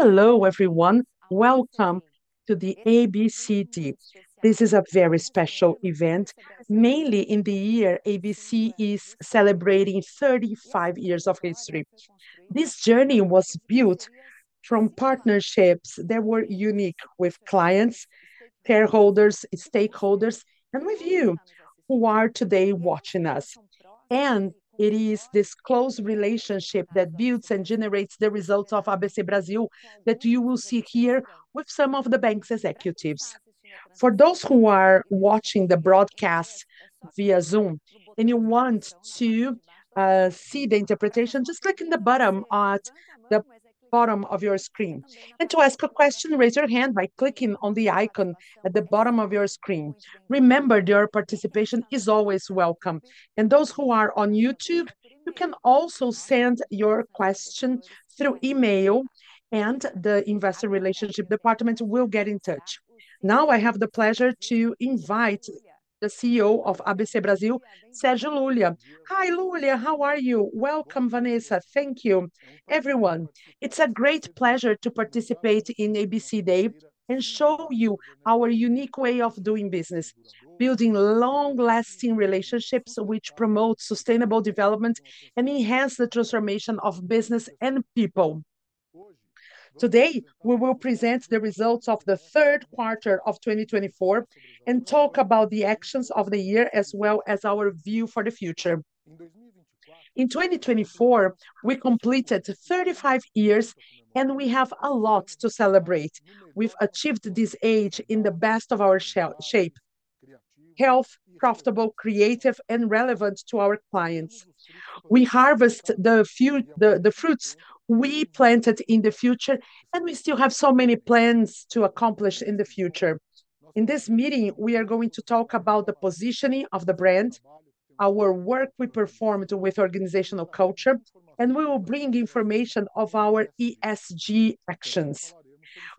Hello everyone. Welcome to the ABC Day. This is a very special event, mainly in the year ABC is celebrating 35 years of history. This journey was built from partnerships that were unique with clients, shareholders, stakeholders and with you who are today watching us, and it is this close relationship that builds and generates the results of ABC Brasil that you will see here with some of the bank's executives. For those who are watching the broadcast via Zoom and you want to see the interpretation, just click in the button at the bottom of your screen and to ask a question, raise your hand by clicking on the icon at the bottom of your screen. Remember, your participation is always welcome, and those who are on YouTube, you can also send your question through email and the Investor Relations department will get in touch. Now I have the pleasure to invite the CEO of ABC Brasil, Sergio Lulia. Hi Lulia, how are you? Welcome, Vanessa. Thank you everyone. It's a great pleasure to participate in ABC Day and show you our unique way of doing business. Building long lasting relationships which promote sustainable development and enhance the transformation of business and people. Today we will present the results of the third quarter of 2024 and talk about the actions of the year as well as our view for the future. In 2024 we completed 35 years and we have a lot to celebrate. We've achieved this age in the best of our shape, health, profitable, creative and relevant to our clients. We harvest the fruits we planted in the future and we still have so many plans to accomplish in the future. In this meeting we are going to talk about the positioning of the brand. Our work we performed with organizational culture and we will bring information of our ESG actions.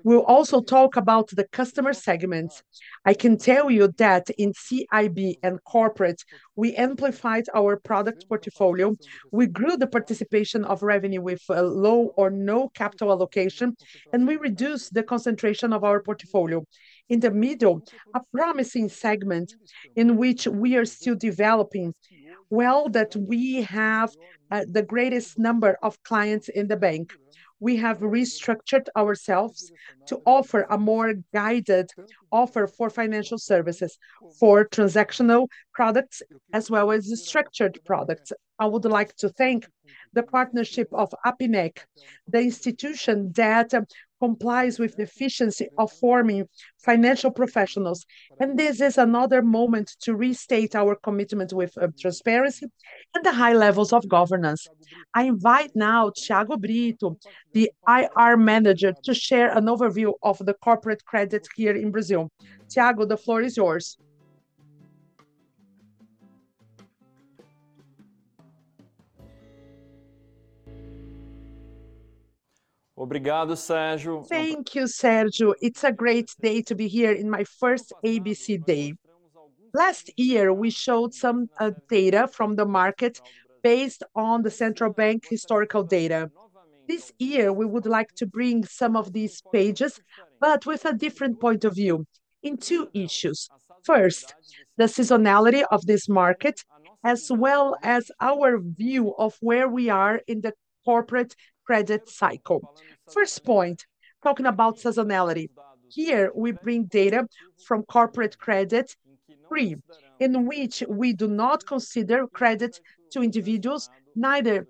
We'll also talk about the customer segments. I can tell you that in CIB and corporate we amplified our product portfolio. We grew the participation of revenue with low or no capital allocation and we reduced the concentration of our portfolio in the middle, a promising segment in which we are still developing well, that we have the greatest number of clients in the bank. We have restructured ourselves to offer a more guided offer for financial services, for transactional products as well as structured products. I would like to thank the partnership of APIMEC, the institution that complies with the efficiency of forming financial professionals. And this is another moment to restate our commitment with transparency and the high levels of governance. I invite now Tiago Brito, the IR manager, to share an overview of the corporate credit here in Brazil. Tiago, the floor is yours. Thank you, Sergio. It's a great day to be here in my first ABC Day. Last year we showed some data from the market based on the central bank historical data. This year we would like to bring some of these pages but with a different point of view in two issues. First, the seasonality of this market as well as our view of where we are in the corporate credit cycle. First point, talking about seasonality, here we bring data from Corporate Credit Free in which we do not consider credit to individuals, neither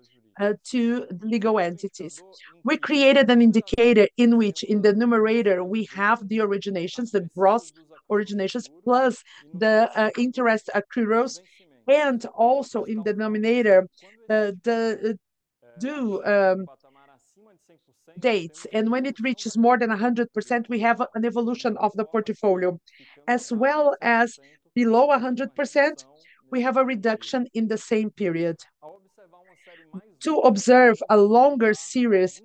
to legal entities. We created an indicator in which in the numerator we have the originations, the gross originations plus the interest accruals and also in denominator the due dates, and when it reaches more than 100% we have an evolution of the portfolio as well as below 100% we have a reduction in the same period. To observe a longer series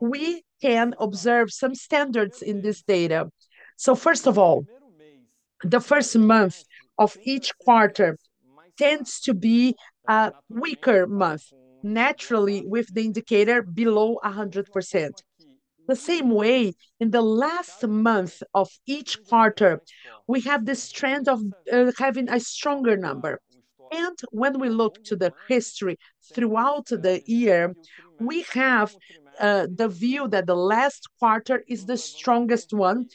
we can observe some standards in this data, so first of all, the first month of each quarter tends to be a weaker month naturally with the indicator below 100%. The same way in the last month of each quarter we have this trend of having a stronger number, and when we look to the history throughout the year, we have the view that the last quarter is the strongest one.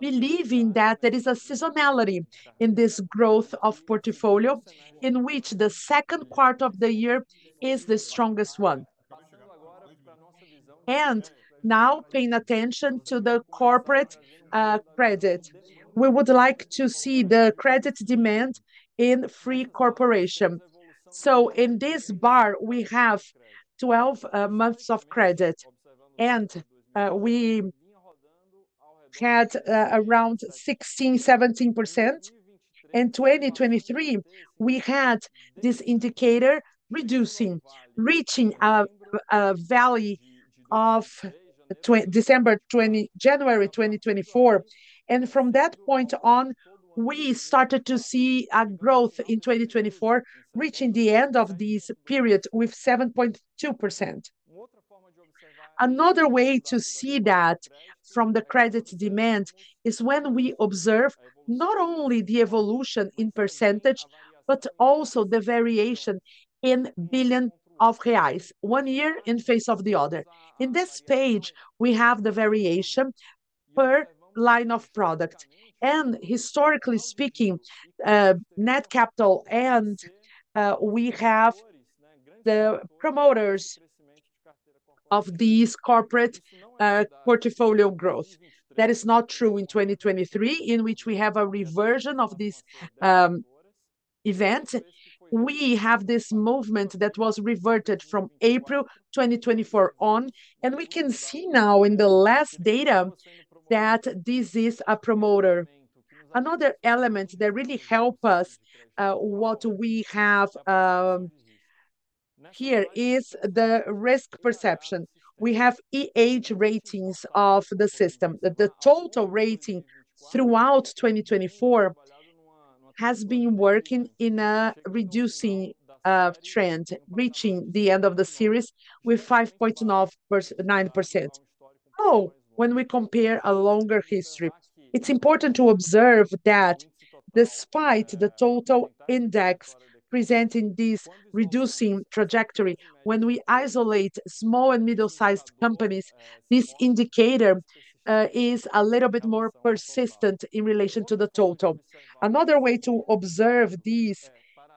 Believing that there is a seasonality in this growth of portfolio in which the second part of the year is the strongest one, now paying attention to the corporate credit, we would like to see the credit demand in the Corporate. In this bar we have 12 months of credit and we had around 16%-17% in 2023. We had this indicator reducing, reaching a valley of December 2020, January 2024. From that point on we started to see a growth in 2024, reaching the end of this period with 7.2%. Another way to see that from the credit demand is when we observe not only the evolution in percentage but also the variation in billion of reais one year in face of the other. In this page we have the variation per line of product and historically speaking net capital. We have the promoters of these corporate portfolio growth that is not true in 2023 in which we have a reversion of this event. We have this movement that was reverted from April 2024 on. We can see now in the last data that this is a promoter. Another element that really help us what we have here is the risk perception. We have internal ratings of the system that the total rating throughout 2024 has been working in a reducing trend, reaching the end of the series with 5.09%. When we compare a longer history, it is important to observe that despite the total index presenting this reducing trajectory when we isolate small and middle-sized companies, this indicator is a little bit more persistent in relation to the. Another way to observe these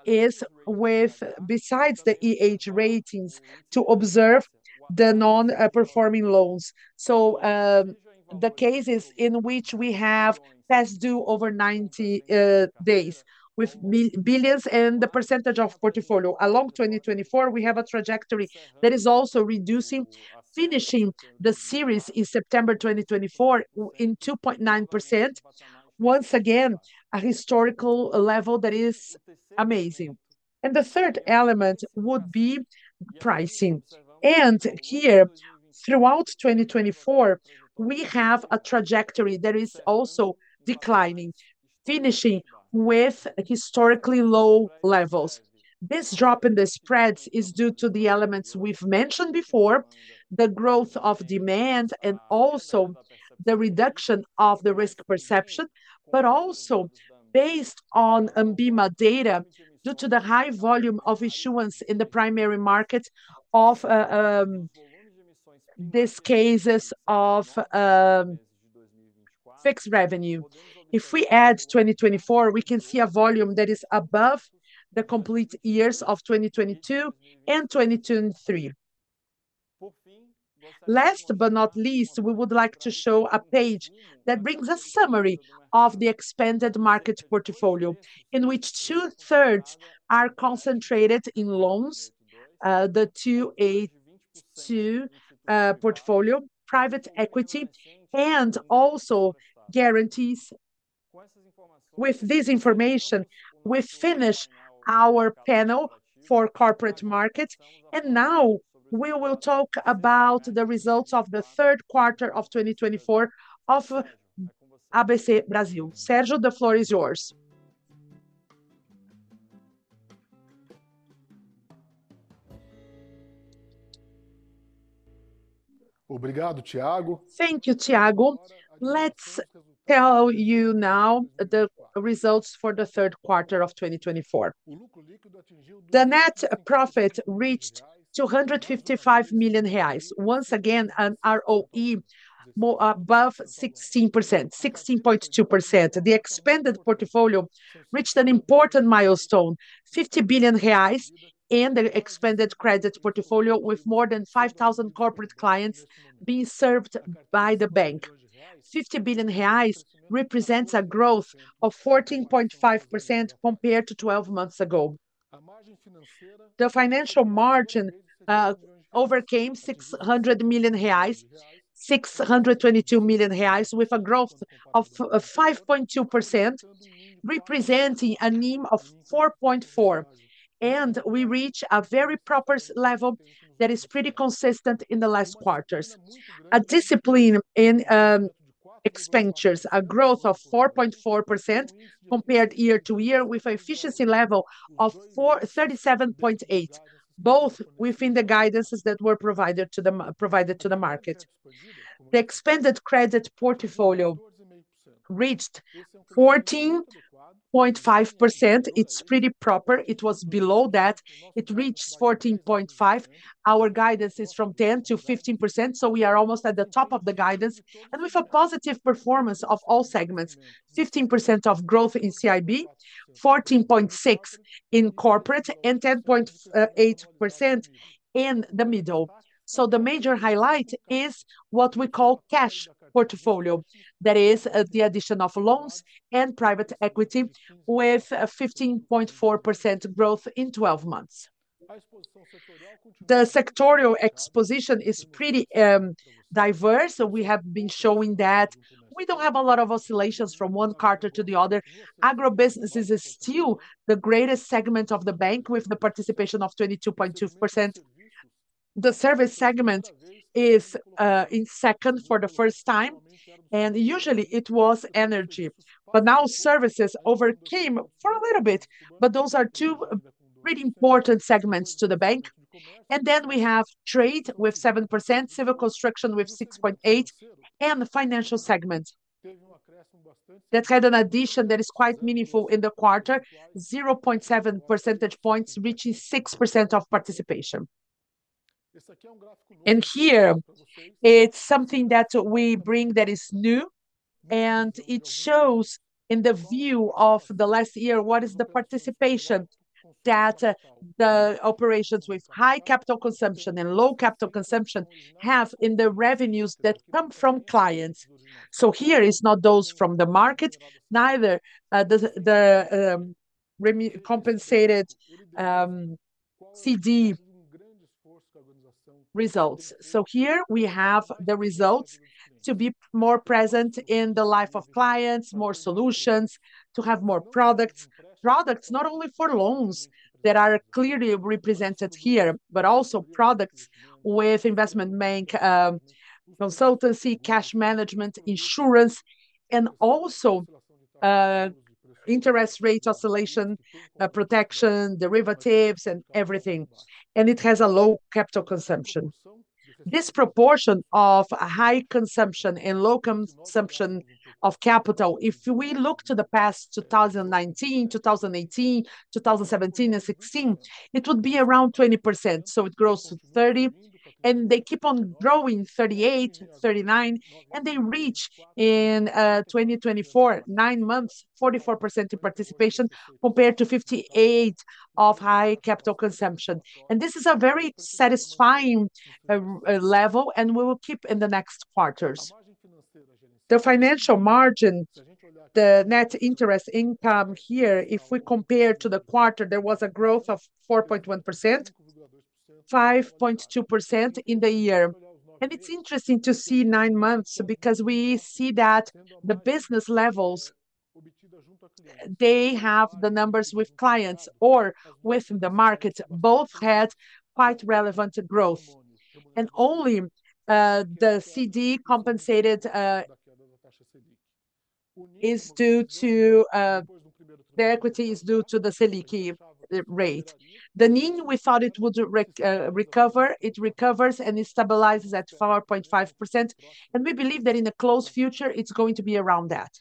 is with, besides the internal ratings, to observe the non-performing loans. The cases in which we have past due over 90 days with balances and the percentage of portfolio in 2024 we have a trajectory that is also reducing finishing the series in September 2024 in 2.9% once again, a historical level that is amazing. The third element would be pricing. Here throughout 2024 we have a trajectory that is also declining, finishing with historically low levels. This drop in the spreads is due to the elements we've mentioned before the growth of demand and also the reduction of the risk perception of but also based on ANBIMA data due to the high volume of issuance in the primary market of these cases of fixed income, if we add 2024 we can see a volume that is above the complete years of 2022 and 2023. Last but not least, we would like to show a page that brings a summary of the expanded market portfolio in which 2/3 are concentrated in loans, the 282 portfolio private equity and also guarantees. With this information we finish our panel for corporate market. Now we will talk about the results of the third quarter of 2024 of ABC Brasil. Sérgio, the floor is yours. Thank you, Tiago. Let's tell you now the results for the third quarter of 2024. The net profit reached 255 million reais. Once again an ROE more above 16%, 16.2%. The expanded portfolio reached an important milestone, 50 billion reais. And the expanded credit portfolio. With more than 5,000 corporate clients being served by the bank, 50 billion reais represents a growth of 14.5% compared to 12 months ago. The financial margin overcame 600 million reais. 622 million reais with a growth of 5.2% representing a NIM of 4.4%. We reach a very proper level that is pretty consistent in the last quarters. A discipline in expenditures, a growth of 4.4% compared year-to-year with efficiency level of 43.78%. Both within the guidances that were provided to the market. The expanded credit portfolio reached 14.5%. It's pretty proper. It reached 14.5%. Our guidance is from 10%-15%. We are almost at the top of the guidance and with a positive performance of all segments. 15% of growth in CIB, 14.6% in Corporate and 10.8% in the Middle. The major highlight is what we call cash portfolio, that is the addition of loans and private equity with 15.4% growth in 12 months. The sectorial exposure is pretty diverse. We have been showing that we don't have a lot of oscillations from one quarter to the other. Agrobusinesses is still the greatest segment of the bank with the participation of 22.2%. The services segment is in second for the first time. And usually it was energy, but now services overcame for a little bit. But those are two really important segments to the bank. And then we have trade with 7%, civil construction with 6.8%. And the financial segment that had an addition that is quite meaningful in the quarter, 0.7 percentage points, reaching 6% of participation. And here it's something that we bring that is new and it shows in the view of the last year, what is the participation that the operations with high capital consumption and low capital consumption have in the revenues that come from clients. It is not those from the market, neither the compensated CDI results. Here we have the results to be more present in the life of clients, more solutions to have more products, products not only for loans that are clearly represented here, but also products with investment banking consultancy, cash management, insurance and also. Interest rate oscillation protection, derivatives and everything. And it has a low capital consumption. This proportion of high consumption in low consumption, consumption of capital. If we look to the past 2019, 2018, 2017 and 2016, it would be around 20%. So it grows to 30% and they keep on growing. 38%, 39% and they reach in 2024, nine months, 44% in participation, compared to 58% of high capital consumption. And this is a very satisfying level. And we will keep in the next quarters the financial margin, the net interest income. Here, if we compare to the quarter, there was a growth of 4.1%, 5.2% in the year. And it's interesting to see nine months because we see that the business levels, they have the numbers with clients or within the market, both had quite relevant growth. Only the CDI compensation is due to the equity. It is due to the Selic rate. The NIM we thought it would recover, it recovers and it stabilizes at 4.5%. We believe that in the close future it's going to be around that.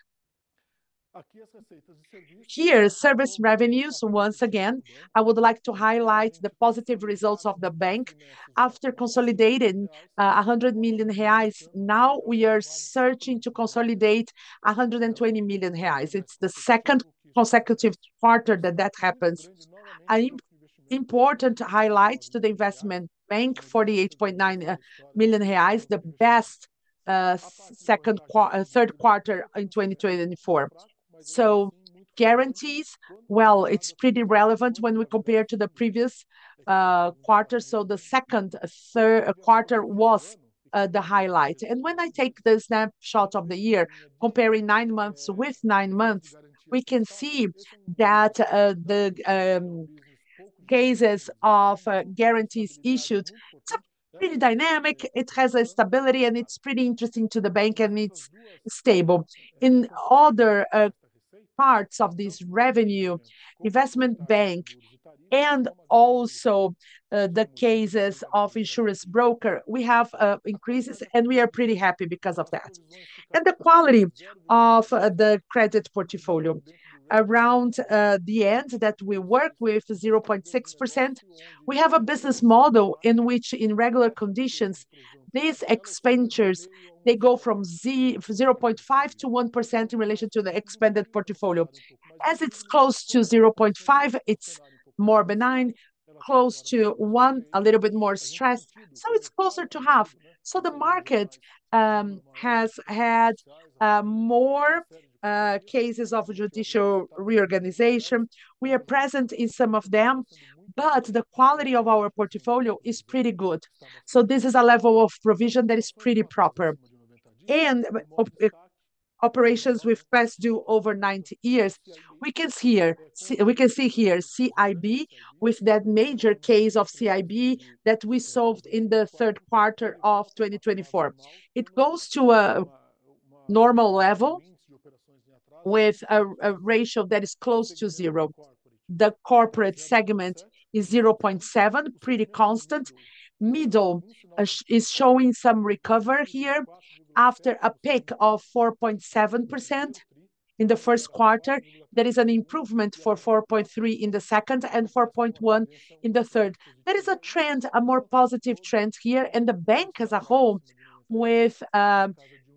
Here, service revenues. Once again, I would like to highlight the positive results of the bank. After consolidating 100 million reais, now we are searching to consolidate 120 million reais. It's the second consecutive quarter that that happens, an important highlight to the investment bank. 48.9 million reais. The best second third quarter in 2024. Guarantees. Well, it's pretty relevant when we compare to the previous quarter. The second quarter was the highlight. When I take the snapshot of the year comparing nine months with nine months, we can see that the cases of guarantees issued pretty dynamic. It has a stability and it's pretty interesting to the bank and it's stable. In other parts of this revenue investment bank and also the cases of insurance broker, we have increases and we are pretty happy because of that, and the quality of the credit portfolio around the end that we work with 0.6%. We have a business model in which in regular conditions, these expenditures they go from 0.5%-1% in relation to the expanded portfolio. As it's close to 0.5%, it's more benign, close to 1%, a little bit more stressed, so it's closer to half, so the market has had more cases of judicial reorganization. We are present in some of them, but the quality of our portfolio is pretty good, so this is a level of provision that is pretty proper, and operations with past due over 90 years. We can see here CIB with that major case of CIB that we solved in the third quarter of 2024. It goes to a normal level with a ratio that is close to zero. The corporate segment is 0.7% pretty constant. Middle is showing some recovery here after a peak of 4.7% in the first quarter. There is an improvement to 4.3% in the second and 4.1% in the third. There is a trend, a more positive trend here, and the bank as a whole with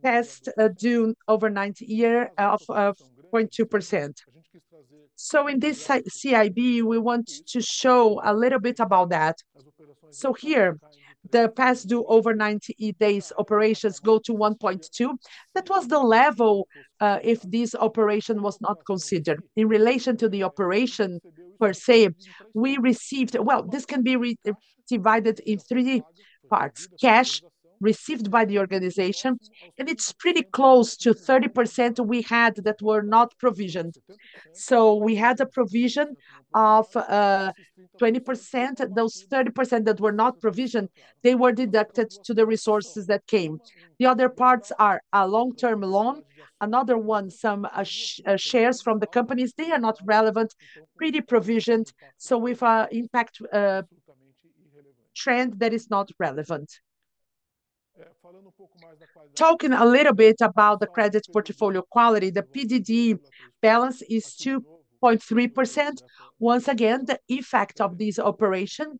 PD over 90 days of 0.2%. So in this CIB we want to show a little bit about that. So here the past due over 90 days operations go to 1.2%. That was the level if this operation was not considered in relation to the operation per se we received. Well, this can be divided in three parts. Cash received by the organization, and it's pretty close to 30% we had that were not provisioned, so we had a provision of 20%. Those 30% that were not provisioned, they were deducted to the resources that came. The other parts are a long term loan. Another one, some shares from the companies, they are not relevant pretty provisioned, so with impact trend that is not relevant. Talking a little bit about the credit portfolio quality, the PDD balance is 2.3%. Once again, the effect of this operation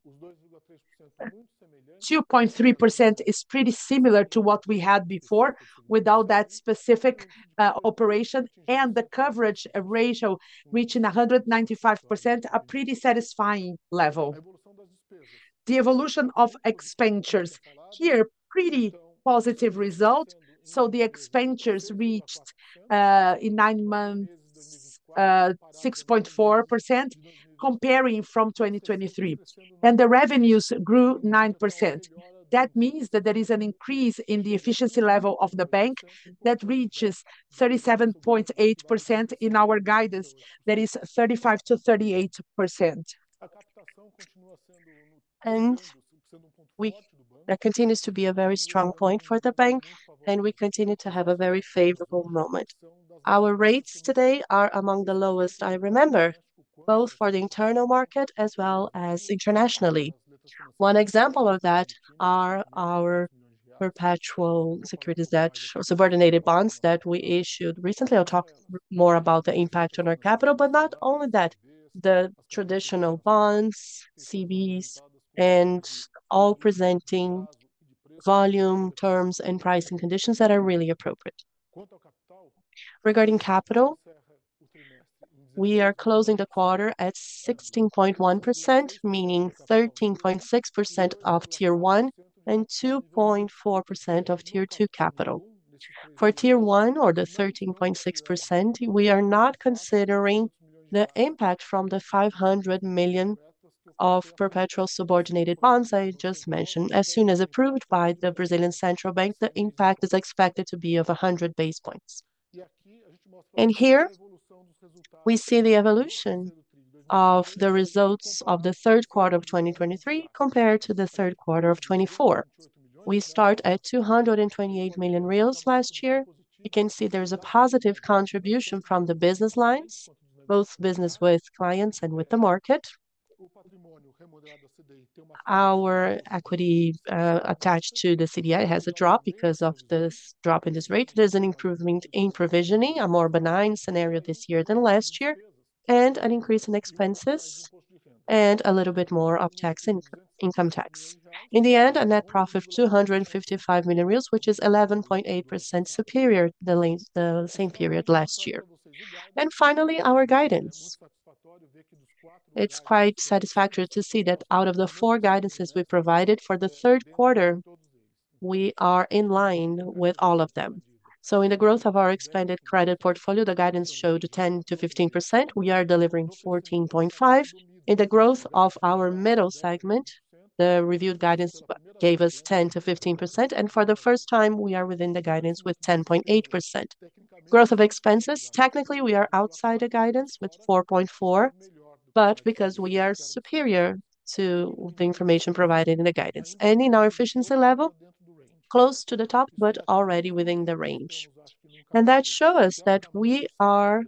2.3% is pretty similar to what we had before without that specific operation, and the coverage ratio reaching 195%, a pretty satisfying level. The evolution of expenditures here, pretty positive result, so the expenditures reached in nine months 6.4% comparing from 2023 and the revenues grew 9%. That means that there is an increase in the efficiency level of the bank that reaches 37.8% in our guidance, that is 35%-38%. That continues to be a very strong point for the bank, and we continue to have a very favorable moment. Our rates today are among the lowest I remember, both for the internal market as well as internationally. One example of that are our perpetual subordinated bonds that we issued recently. I'll talk more about the impact on our capital, but not only that, the traditional bonds, CDs and all presenting volume terms and price and conditions that are really appropriate regarding capital. We are closing the quarter at 16.1%, meaning 13.6% of Tier 1 and 2.4% of Tier 2 capital. For Tier 1 or the 13.6%, we are not considering the impact from the 500 million of perpetual subordinated bonds I just mentioned. As soon as approved by the Brazilian Central Bank, the impact is expected to be of 100 basis points. Here we see the evolution of the results of the third quarter of 2023 compared to third quarter 2024. We start at 228 million reais last year. You can see there's a positive contribution from the business lines, both business with clients and with the market. Our equity attached to the CDI has a drop. Because of this drop in this rate. There's an improvement in provisioning, a more benign scenario this year than last year and an increase in expenses and a little bit more of tax, income tax. In the end, a net profit of 255 million reais, which is 11.8% superior than the same period last year. Finally, our guidance, it's quite satisfactory to see that out of the four guidances we provided for the third quarter, we are in line with all of them. In the growth of our expanded credit portfolio, the guidance showed 10%-15%. We are delivering 14.5%. In the growth of our middle segment, the reviewed guidance gave us 10%-15%. For the first time we are within the guidance with 10.8%. Growth of expenses, technically, we are outside the guidance with 4.4%, but because we are superior to the information provided in the guidance and in our efficiency level, close to the top, but already within the range. That shows us that we are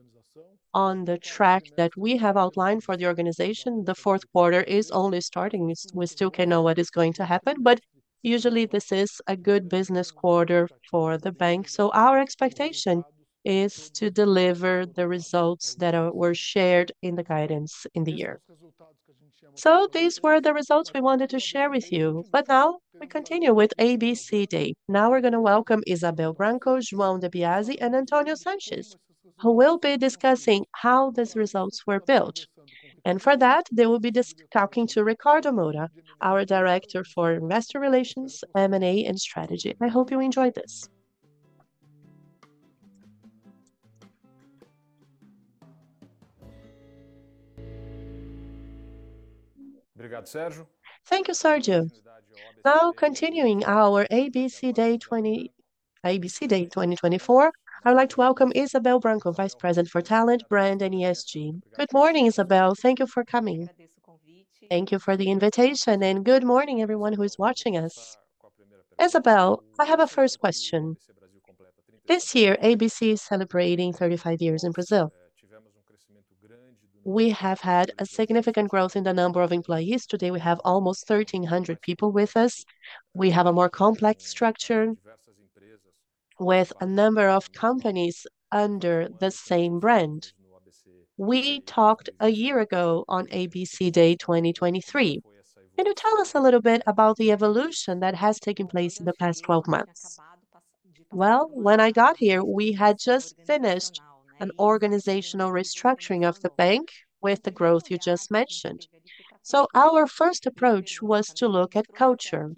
on the track that we have outlined for the organization. The fourth quarter is only starting. We still can know what is going to happen, but usually this is a good business quarter for the bank. Our expectation is to deliver the results that were shared in the guidance in the year. These were the results we wanted to share with you. But now we continue with ABC Day. Now we're going to welcome Izabel Branco, João Di Biase and Antonio Sanchez, who will be discussing how these results were built. And for that they will be talking to Ricardo Moura, our director for Investor Relations, M&A and Strategy. I hope you enjoyed this. Thank you, Sergio. Now, continuing our ABC Day 20, ABC Day 2024, I would like to welcome Izabel Branco, Vice President for Talent, Brand and ESG. Good morning, Izabel. Thank you for coming. Thank you for the invitation and good morning everyone who is watching us. Izabel, I have a first question. This year, ABC is celebrating 35 years in Brazil. We have had a significant growth in the number of employees. Today we have almost 1,300 people with us. We have a more complex structure with a number of companies under the same brand. We talked a year ago on ABC Day 2023, and you tell us a little bit about the evolution that has taken place in the past 12 months? Well, when I got here, we had just finished an organizational restructuring of the bank with the growth you just mentioned, so our first approach was to look at culture.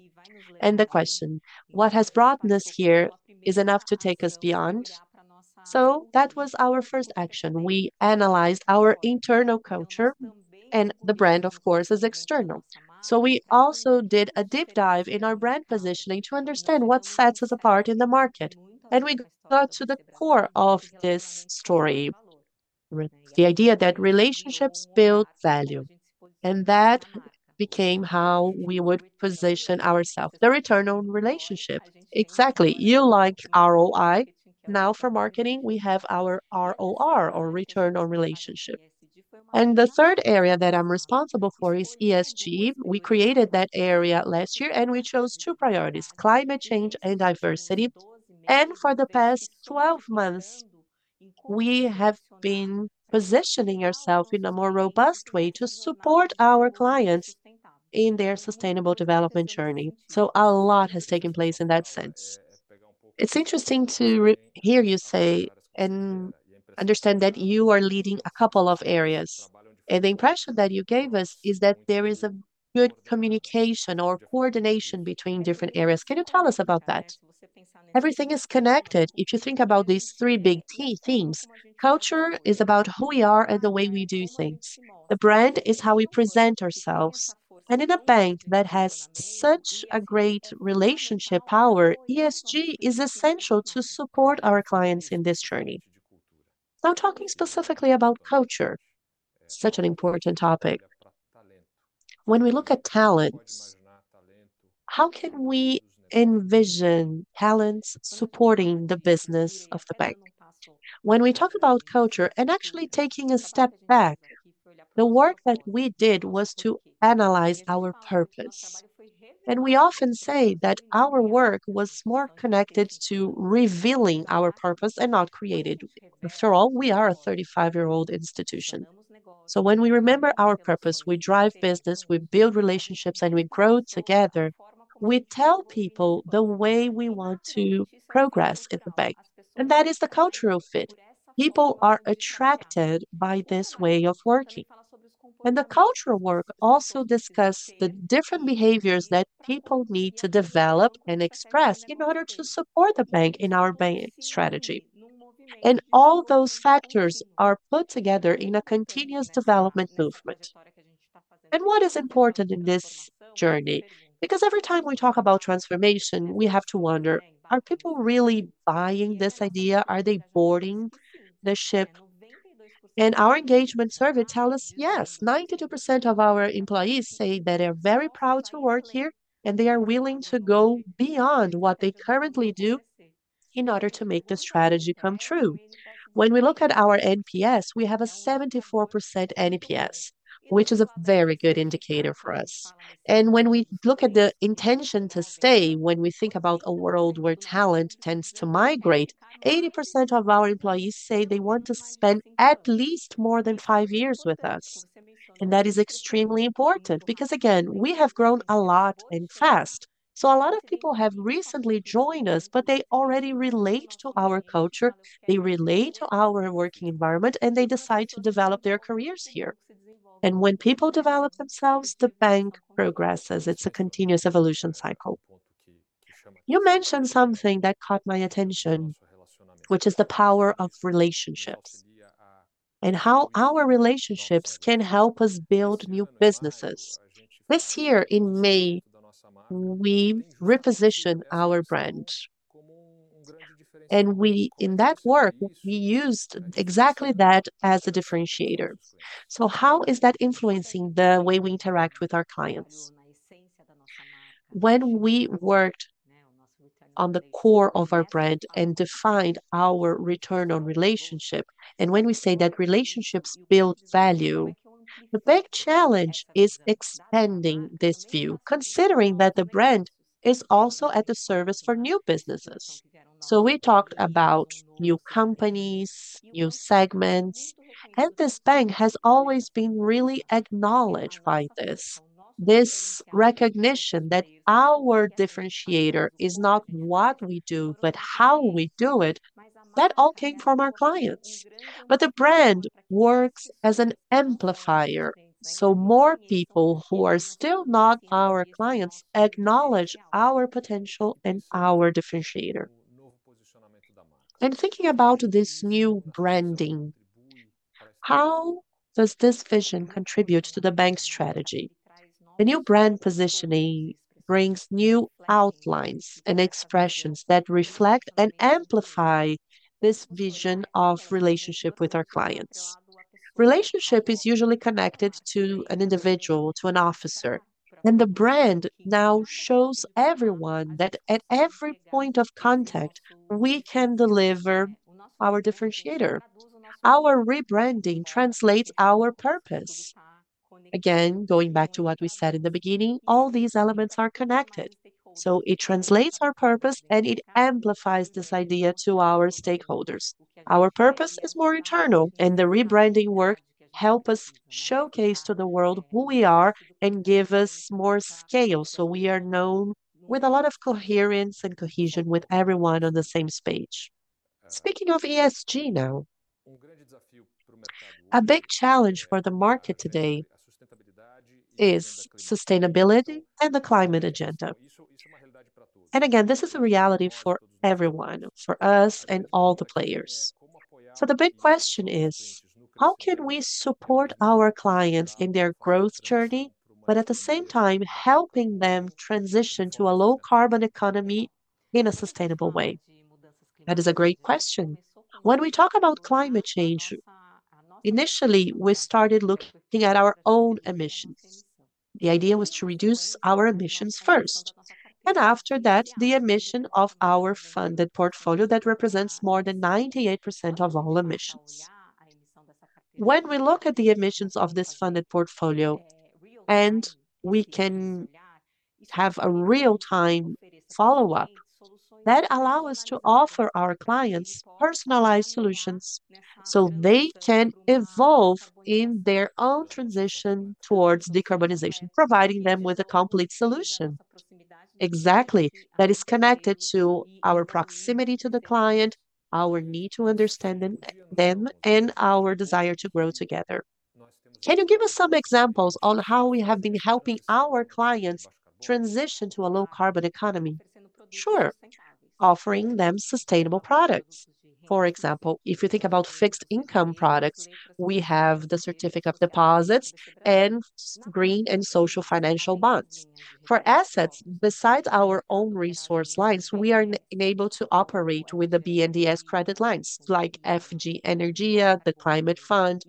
And the question, what has brought us here is enough to take us beyond? That was our first action. We analyzed our internal culture and the brand, of course, is external, so we also did a deep dive in our brand positioning to understand what sets us apart in the market, and we got to the core of this story, the idea that relationships build value and that became how we would position ourselves. The return on relationship. Exactly. You like ROI. Now, for marketing, we have our ROR or return on relationship. And the third area that I'm responsible for is ESG. We created that area last year and we chose two priorities, climate change and diversity. And for the past 12 months, we have been positioning ourselves in a more robust way to support our clients in their sustainable development journey. So a lot has taken place in that sense. It's interesting to hear you say and understand that you are leading a couple of areas. And the impression that you gave us is that there is a good communication or coordination between different areas. Can you tell us about that? Everything is connected. If you think about these three big themes, culture is about who we are and the way we do things, the brand is how we present ourselves. And in a bank that has such a great relationship power, ESG is essential to support our clients in this journey. Now, talking specifically about culture, such an important topic when we look at talent, how can we envision talents supporting the business of the bank? When we talk about culture and actually taking a step back, the work that we did was to analyze our purpose. And we often say that our work was more connected to revealing our purpose and not created. After all, we are a 35-year-old institution. So when we remember our purpose, we drive business, we build relationships, and we grow together. We tell people the way we want to progress in the bank, and that is the cultural fit. People are attracted by this way of working. And the cultural work also discusses the different behaviors that people need to develop and express in order to support the bank in our banking strategy. And all those factors are put together in a continuous development movement. And what is important in this journey, because every time we talk about transformation, we have to wonder, are people really buying this idea? Are they boarding the ship? And our engagement survey tell us yes. 92% of our employees say that they're very proud to work here and they are willing to go beyond what they currently do in order to make the strategy come true. When we look at our NPS, we have a 74% NPS, which is a very good indicator for us. When we look at the intention to stay, when we think about a world where talent tends to migrate, 80% of our employees say they want to spend at least more than five years with us. That is extremely important because again, we have grown a lot and fast. A lot of people have recently joined us, but they already relate to our culture, they relate to our working environment, and they decide to develop their careers here. When people develop themselves, the bank progresses. It's a continuous evolution cycle. You mentioned something that caught my attention, which is the power of relationships and how our relationships can help us build new businesses. This year in May, we repositioned our brand and in that work, we used exactly that as a differentiator. How is that influencing the way we interact with our clients? When we worked on the core of our brand and defined our return on relationship, and when we say that relationships build value, the big challenge is expanding this view, considering that the brand is also at the service for new businesses. So we talked about new companies, new segments, and this bank has always been really acknowledged by this recognition that our differentiator is not what we do, but how we do it, that all came from our clients. But the brand works as an amplifier. So more people who are still not our clients acknowledge our potential and our differentiator. And thinking about this new branding, how does this vision contribute to the bank strategy? The new brand positioning brings new outlines and expressions that reflect and amplify this vision of relationship with our clients. Relationship is usually connected to an individual, to an officer. And the brand now shows everyone that at every point of contact we can deliver our differentiator. Our rebranding translates our purpose. Again, going back to what we said in the beginning, all these elements are connected, so it translates our purpose and it amplifies this idea to our stakeholders. Our purpose is more eternal and the rebranding work help us showcase to the world who we are and give us more scale so we are known with a lot of coherence and cohesion with everyone on the same page. Speaking of ESG now, a big challenge for the market today is sustainability and the climate agenda. And again, this is a reality for everyone, for us and all the players. So the big question is how can we support our clients in their growth journey, but at the same time helping them transition to a low carbon economy in a sustainable way? That is a great question when we talk about climate change. Initially we started looking at our own emissions. The idea was to reduce our emissions first and after that the emission of our funded portfolio that represents more than 98% of all emissions. When we look at the emissions of this funded portfolio and we can have a real time follow up that allow us to offer our clients personalized solutions so they can evolve in their own transition towards decarbonization. Providing them with a complete solution. Exactly. That is connected to our proximity to the client, our need to understand them, and our desire to grow together. Can you give us some examples on how we have been helping our clients transition to a low carbon economy? Sure. Offering them sustainable products. For example, if you think about fixed income products, we have the certificates of deposit and green and social financial bonds for assets. Besides our own resource lines, we are able to operate with the BNDES credit lines like FGI, Energia, the Climate Fund,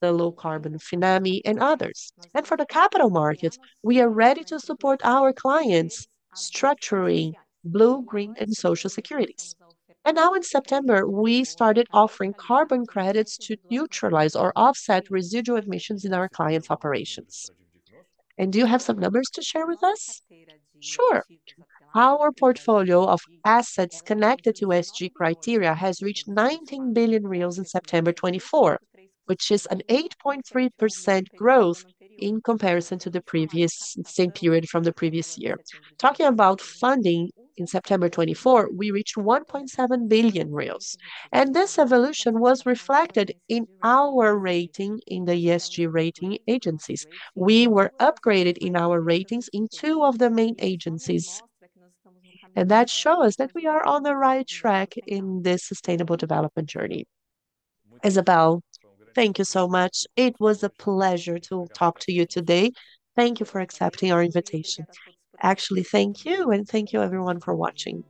the Low Carbon Finame and others. For the capital markets, we are ready to support our clients structuring blue, green and social securities. Now in September we started offering carbon credits to neutralize or offset residual emissions in our clients' operations. Do you have some numbers to share with us? Sure. Our portfolio of assets connected to SG criteria has reached 19 billion in September 2024 which is an 8.3% growth in comparison to the previous same period from the previous year. Talking about funding in September 2024th we reached 1.7 billion. This evolution was reflected in our rating in the ESG rating agencies. We were upgraded in our ratings in two of the main agencies and that shows us that we are on the right track in this sustainable development journey. Izabel, thank you so much. It was a pleasure to talk to you today. Thank you for accepting our invitation. Actually, thank you and thank you everyone for watching.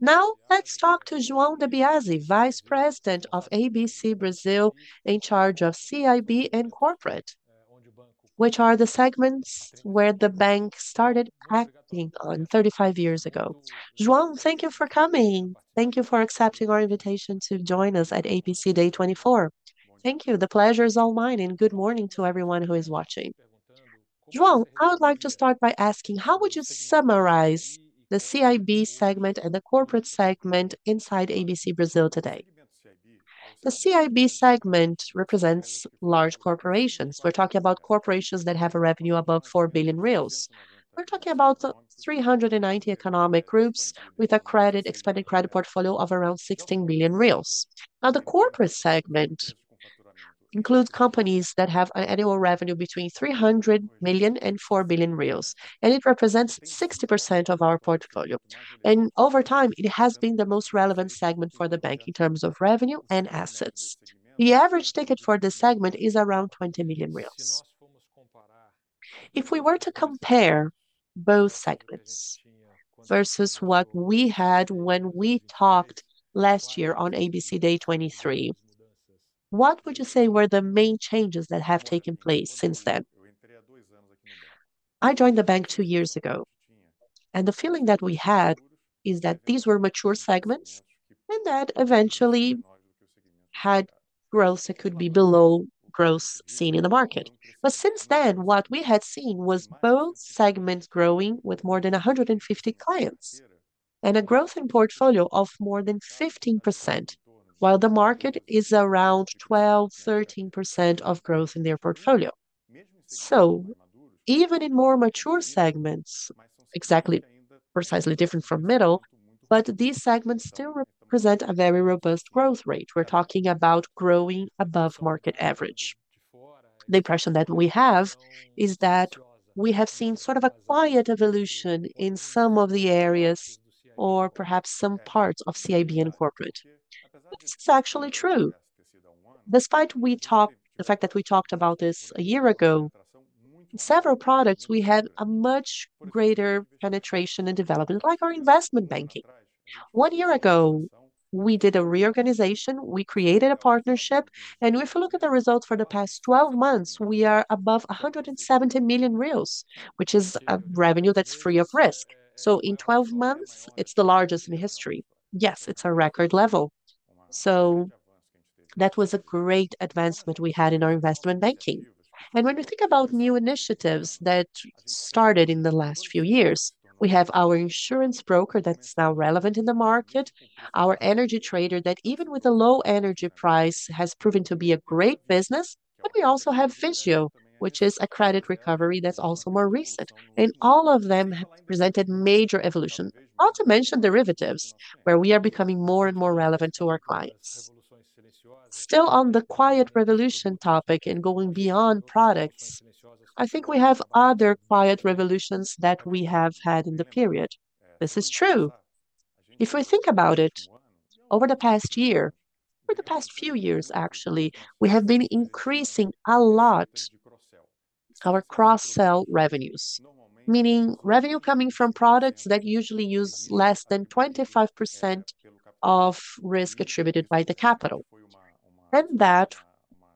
Now let's talk to João Di Biase, Vice President of ABC Brasil in charge of CIB and Corporate, which are the segments where the bank started acting on 35 years ago. João, thank you for coming. Thank you for accepting our invitation to join us at ABC Day 24. Thank you. The pleasure is all mine. Good morning to everyone who is watching. João, I would like to start by asking how would you summarize the CIB segment and the corporate segment inside ABC Brasil today? The CIB segment represents large corporations. We're talking about corporations that have a revenue above 4 billion reais. We're talking about 390 economic groups with an expanded credit portfolio of around 16 million reais. Now the corporate segment includes companies that have an annual revenue between 300 million and 4 billion reais. It represents 60% of our portfolio. Over time it has been the most relevant segment for the bank in terms of revenue and assets. The average ticket for this segment is around 20 million reais. If we were to compare both segments versus what we had when we talked last year on ABC Day 2023, what would you say were the main changes that have taken place since then? I joined the bank two years ago, and the feeling that we had is that these were mature segments and that eventually had growth that could be below growth seen in the market. But since then what we had seen was both segments growing with more than 150 clients and a growth in portfolio of more than 15% while the market is around 12%-13% of growth in their portfolio. So even in more mature segments. Exactly. Precisely different from Middle. But these segments still represent a very robust growth rate. We're talking about growing above market average. The impression that we have is that we have seen sort of a quiet evolution in some of the areas or perhaps some parts of CIB and corporate. This is actually true despite the fact that we talked about this a year ago, several products, we have a much greater penetration and development like our investment banking. One year ago we did a reorganization, we created a partnership. And if you look at the results for the past 12 months, we are above 170 million, which is a revenue that's free of risk. So in 12 months it's the largest in history. Yes, it's a record level. So that was a great advancement we had in our investment banking. And when we think about new initiatives that started in the last few years, we have our insurance broker that's now relevant in the market, our energy trader that even with a low energy price has proven to be a great business. But we also have Vizzo, which is a credit recovery that's also more recent. And all of them presented major evolution, not to mention derivatives, where we are becoming more and more relevant to our clients. Still on the quiet revolution topic and going beyond products, I think we have other quiet revolutions that we have had in the period. This is true if we think about it over the past year, for the past few years actually, we have been increasing a lot our cross sell revenues, meaning revenue coming from products that usually use less than 25% of risk attributed by the capital. That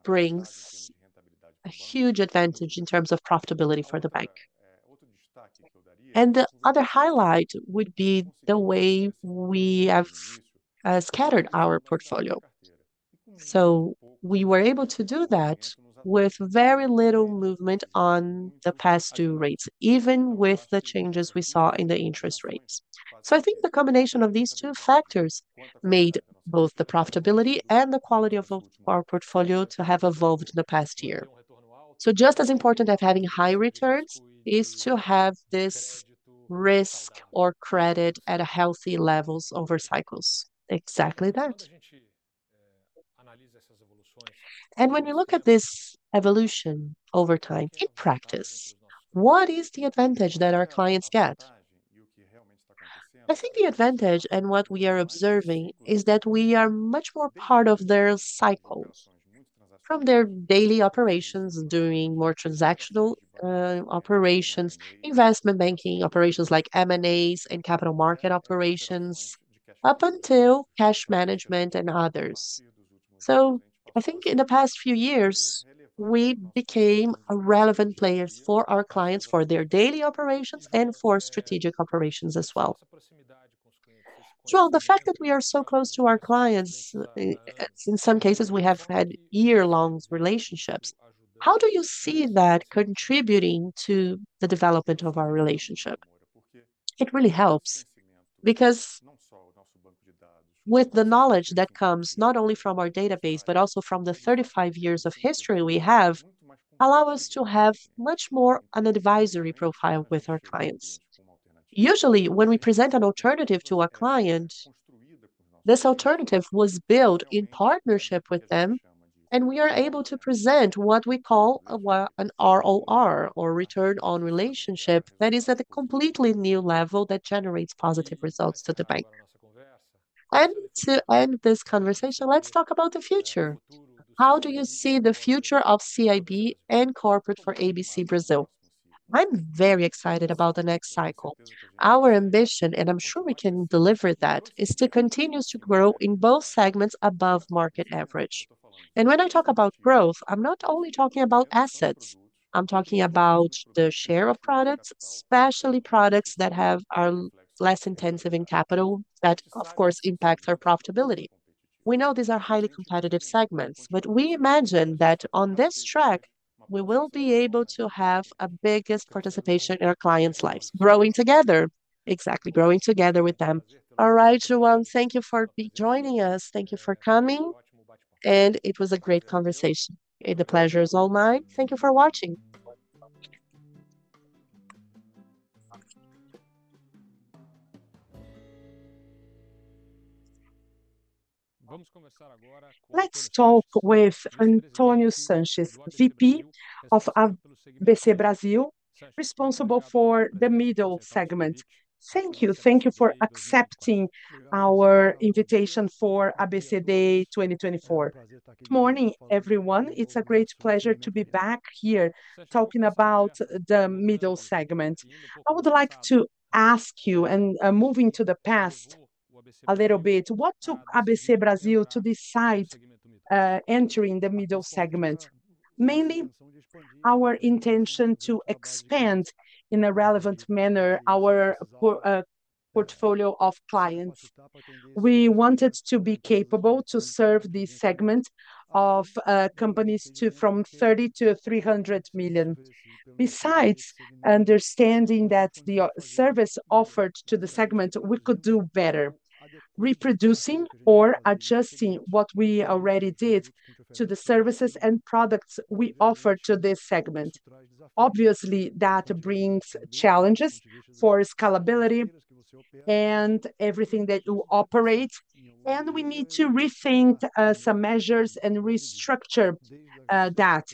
brings a huge advantage in terms of profitability for the bank. The other highlight would be the way we have scattered our portfolio. We were able to do that with very little movement on the past due rates, even with the changes we saw in the interest rates. I think the combination of these two factors made both the profitability and the quality of our portfolio to have evolved in the past year. Just as important as having high returns is to have this risk or credit at a healthy levels over cycles. Exactly that. When you look at this evolution over time in practice, what is the advantage that our clients get? I think the advantage and what we are observing is that we are much more part of their cycles from their daily operations, doing more transactional operations, investment banking operations like M&As and capital market operations, up until cash management and others. So I think in the past few years we became relevant players for our clients, for their daily operations and for strategic operations as well. João, the fact that we are so close to our clients, in some cases we have had year-long relationships. How do you see that contributing to the development of our relationship? It really helps because with the knowledge that comes not only from our database, but also from the 35 years of history we have allow us to have much more an advisory profile with our clients. Usually when we present an alternative to a client, this alternative was built in partnership with them. We are able to present what we call an ROR or return on relationship that is at a completely new level that generates positive results to the bank. To end this conversation, let's talk about the future. How do you see the future of CIB and corporate for ABC Brasil? I'm very excited about the next cycle. Our ambition, and I'm sure we can deliver that, is to continue to grow in both segments above market average. When I talk about growth, I'm not only talking about assets. I'm talking about the share of products, especially products that are less intensive in capital. That of course impacts our profitability. We know these are highly competitive segments, but we imagine that on this track we will be able to have a biggest participation in our clients' lives. Growing together. Exactly. Growing together with them. All right, João, thank you for joining us. Thank you for coming, and it was a great conversation. The pleasure is all mine. Thank you for watching. Let's talk with Antonio Sanchez, VP of ABC Brasil, responsible for the Middle segment. Thank you. Thank you for accepting our invitation for ABC Day 2024. Good morning everyone. It's a great pleasure to be back here talking about the middle segment. I would like to ask you, and moving to the past a little bit, what took ABC Brasil to decide entering the middle segment? Mainly our intention to expand in a relevant manner our portfolio of clients. We wanted to be capable to serve this segment of companies from 30 million-300 million. Besides understanding that the service offered to the segment we could do better reproducing or adjusting what we already did to the services and products we offer to this segment. Obviously that brings challenges for scalability and everything that you operate. We need to rethink some measures and restructure that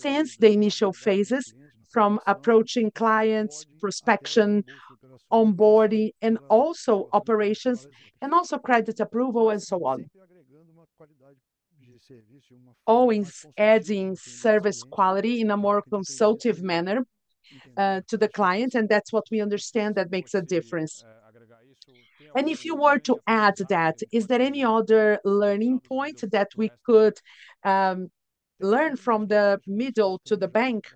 since the initial phases from approaching clients, prospection, onboarding and also operations and also credit approval and so on. Always adding service quality in a more consultative manner to the client. That's what we understand that makes a difference. If you were to add that, is there any other learning point that we could learn from the middle to the bank?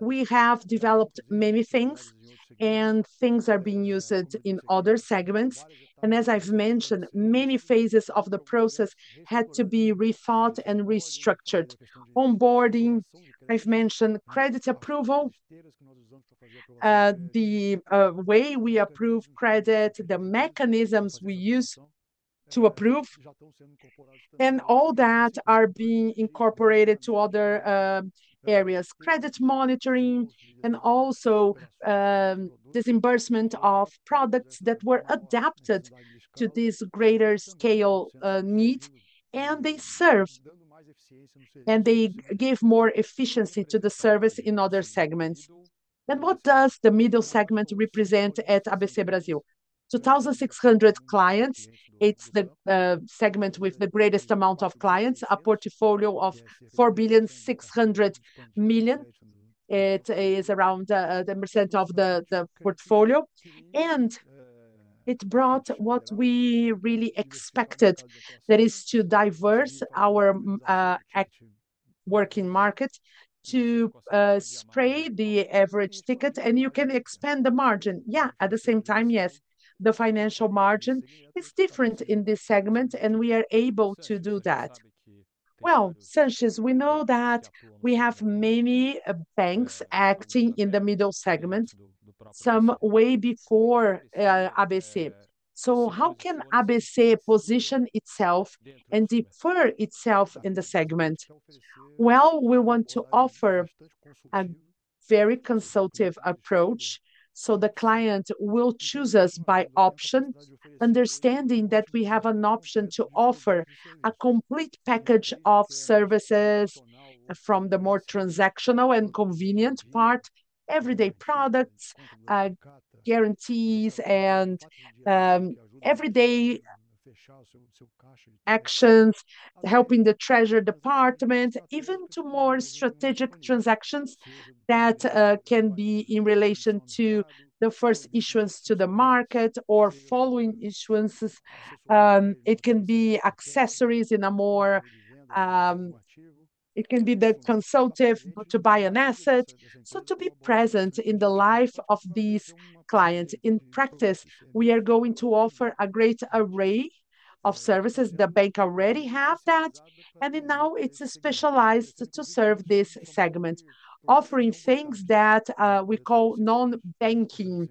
We have developed many things and things are being used in other segments and as I've mentioned, many phases of the process had to be rethought and restructured. Onboarding, I've mentioned credit approval, the way we approve credit, the mechanisms we use to approve and all that are being incorporated to other areas. Credit monitoring and also disbursement of products that were adapted to this greater scale need and they serves and they gave more efficiency to the service in other segments. What does the Middle segment represent at ABC Brasil? 2,600 clients. It's the segment with the greatest amount of clients. A portfolio of 4.6 billion. It is around 10% of the portfolio. It brought what we really expected. That is to diversify our activity working market to spread the average ticket. And you can expand the margin? Yeah. At the same time, yes. The financial margin is different in this segment, and we are able to do that well. Sanchez, we know that we have many banks acting in the middle segment some way before ABC. So how can ABC position itself and differentiate itself in the segment? Well, we want to offer a very consultative approach. So the client will choose us by option. Understanding that we have an option to offer a complete package of services from the more transactional and convenient part, everyday products, guarantees, and everyday actions helping the treasurer department even to more strategic transactions. That can be in relation to the first issuance to the market or following issuances. It can be advisory in M&A. It can be the consultative to buy an asset. So to be present in the life of these clients. In practice we are going to offer a great array of services. The bank already have that and now it's specialized to serve this segment offering things that we call non banking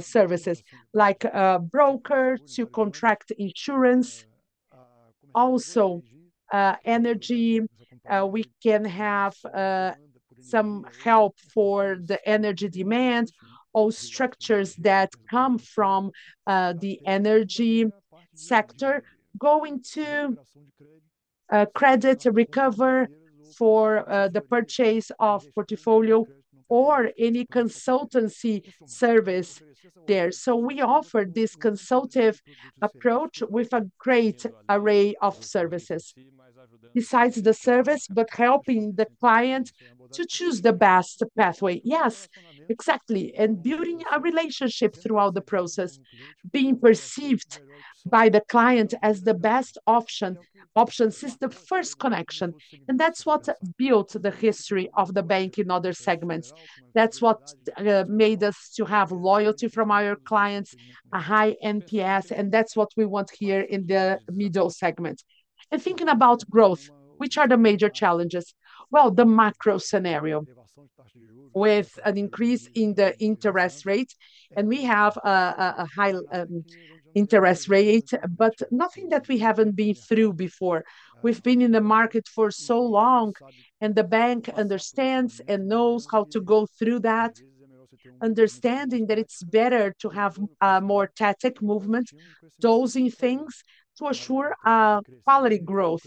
services like a broker to contract insurance. Also energy. We can have some help for the energy demand. All structures that come from the energy sector going to credit recover for the purchase of portfolio or any consultancy service there. So we offer this consultive approach with a great array of services besides the service. But helping the client to choose the best pathway. Yes, exactly. And building a relationship throughout the process. Being perceived by the client as the best options is the first connection. And that's what built the history of the bank in other segments. That's what made us to have loyalty from our clients. A high NPS. That's what we want here in the middle segment. Thinking about growth, which are the major challenges? The macro scenario with an increase in the interest rate and we have a high interest rate, but nothing that we haven't been through before. We've been in the market for so long and the bank understands and knows how to go through that. Understanding that it's better to have more tactic movement dosing things to assure quality growth.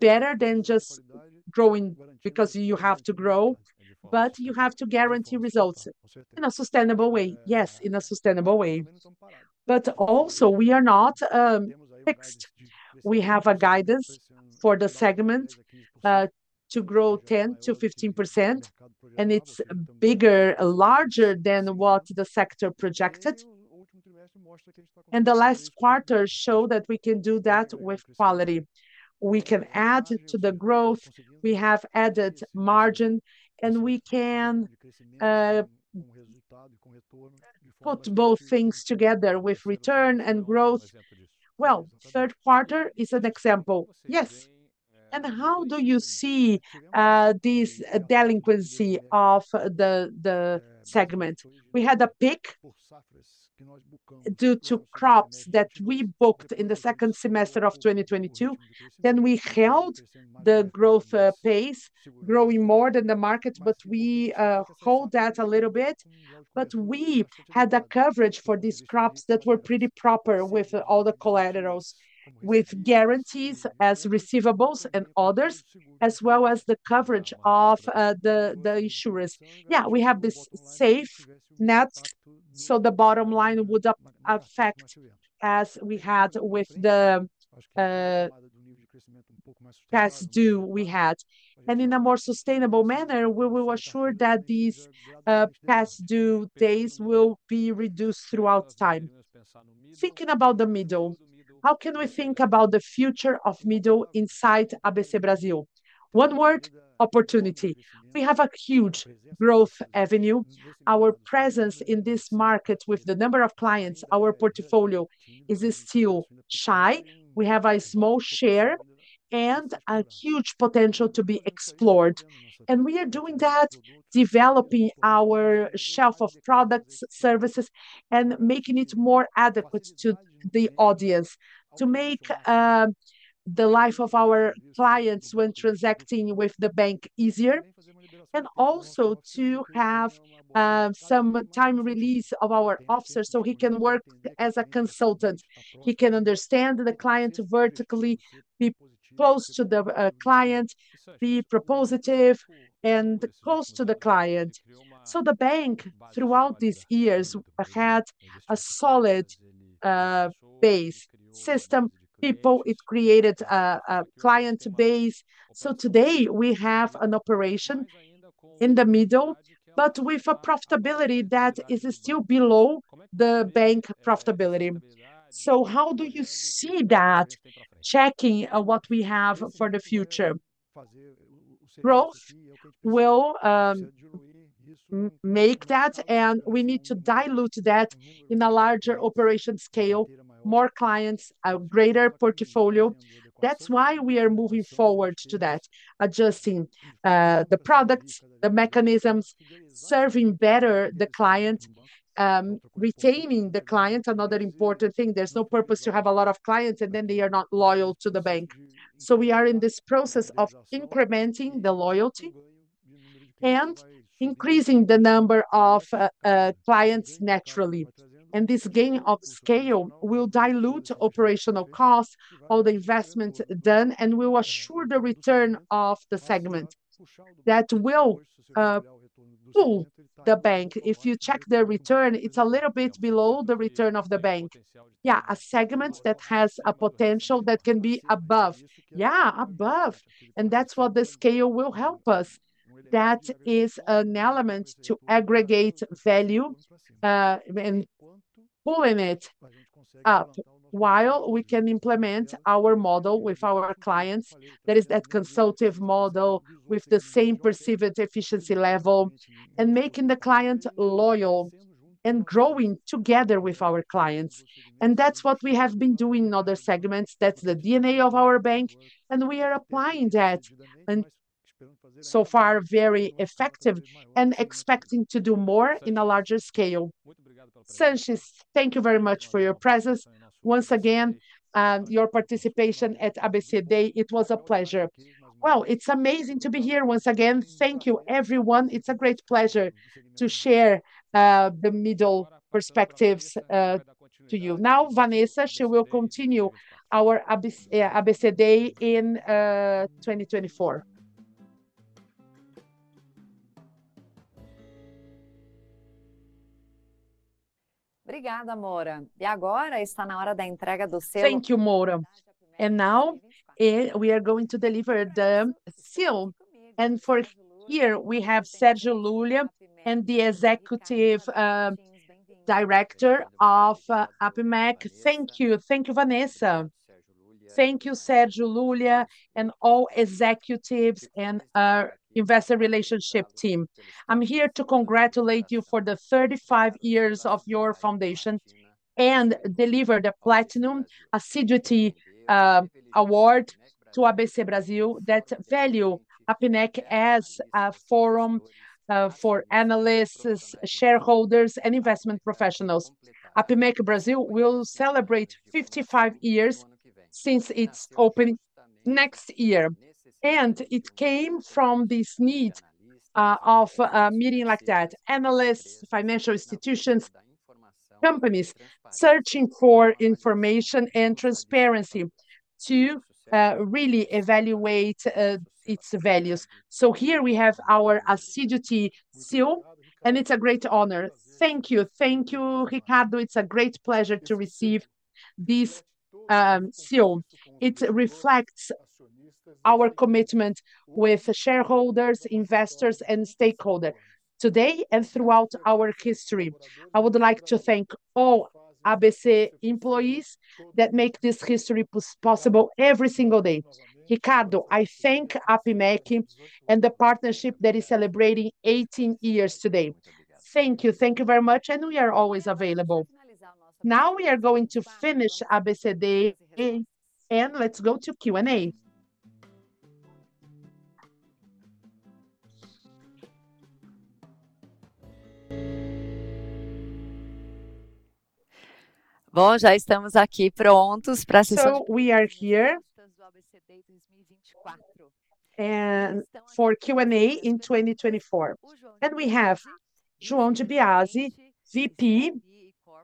Better than just growing. Because you have to grow, but you have to guarantee results in a sustainable way. Yes, in a sustainable way, but also we are not fixed. We have a guidance for the segment to grow 10%-15% and it's bigger, larger than what the sector projected. The last quarter show that we can do that with quality. We can add to the growth. We have added margin and we can put both things together with return and growth. Third quarter is an example. Yes. How do you see this delinquency of the segment? We had a peak due to crops that we booked in the second semester of 2022. Then we held the growth pace, growing more than the market. But we hold that a little bit. But we had the coverage for these crops that were pretty proper. With all the collaterals with guarantees as receivables and others. As well as the coverage of the insurance. Yeah, we have this safety net. So the bottom line would affect as we had with the past due we had and in a more sustainable manner. We will assure that these past due days will be reduced throughout time. Thinking about the middle, how can we think about the future of middle? Inside APIMEC Brazil. One word, opportunity. We have a huge growth avenue. Our presence in this market with the number of clients. Our portfolio is still shy. We have a small share and a huge potential to be explored, and we are doing that developing our shelf of products, services and making it more adequate to the audience to make the life of our clients when transacting with the bank easier. And also to have some time release of our officer so he can work as a consultant. He can understand the client vertically, be close to the client, be propositive and close to the client. So the bank throughout these years has had a solid base system people. It created a client base, so today we have an operation in the Middle, but with a profitability that is still below the bank profitability. So, how do you see that? Checking what we have for the future growth will make that, and we need to dilute that in a larger operation scale: more clients, a greater portfolio. That's why we are moving forward to that. Adjusting the products, the mechanisms serving better the client, retaining the client. Another important thing. There's no purpose to have a lot of clients and then they are not loyal to the bank. So we are in this process of incrementing the loyalty and increasing the number of clients naturally. And this gain of scale will dilute operational costs. All the investment done and will assure the return of the segment that will pull the bank. If you check the return, it's a little bit below the return of the bank. Yeah, a segment that has a potential that can be above. Yeah, above. That's what the scale will help us. That is an element to aggregate value and pulling it up. While we can implement our model with our clients. That is that consultative model with the same perceived efficiency level and making the client loyal and growing together with our clients. That's what we have been doing in other segments. That's the DNA of our bank and we are applying that and so far very effective and expecting to do more in a larger scale. Sanchez, thank you very much for your presence once again, your participation at ABC Day. It was a pleasure. It's amazing to be here once again, thank you everyone. It's a great pleasure to share the middle perspectives to you now. Vanessa, she will continue our ABC Day in 2024. Thank you, Moura. Now we are going to deliver the award, and for here we have Sérgio Lulia and the Executive Director of APIMEC. Thank you. Thank you, Vanessa. Thank you, Sérgio Lulia and all executives and investor relationship team. I'm here to congratulate you for the 35 years of your foundation and deliver the Platinum Assiduity Award to ABC Brasil. That value APIMEC as a forum for analysts, shareholders and investment professionals. APIMEC Brasil will celebrate 55 years since its opening next year. It came from this need of meeting like that. Analysts, financial institutions, companies searching for information and transparency to really evaluate its values. So here we have our Acidity seal and it's a great honor. Thank you. Thank you, Ricardo. It's a great pleasure to receive this seal. It reflects our commitment with shareholders, investors and stakeholders today and throughout our history. I would like to thank all ABC employees that make this history possible every single day. Ricardo, I thank APIMEC and the partnership that is celebrating 18 years today. Thank you. Thank you very much, and we are always available. Now we are going to finish ABC Day and let's go to Q&A. We are here for Q&A in 2024 and we have João de Biase, VP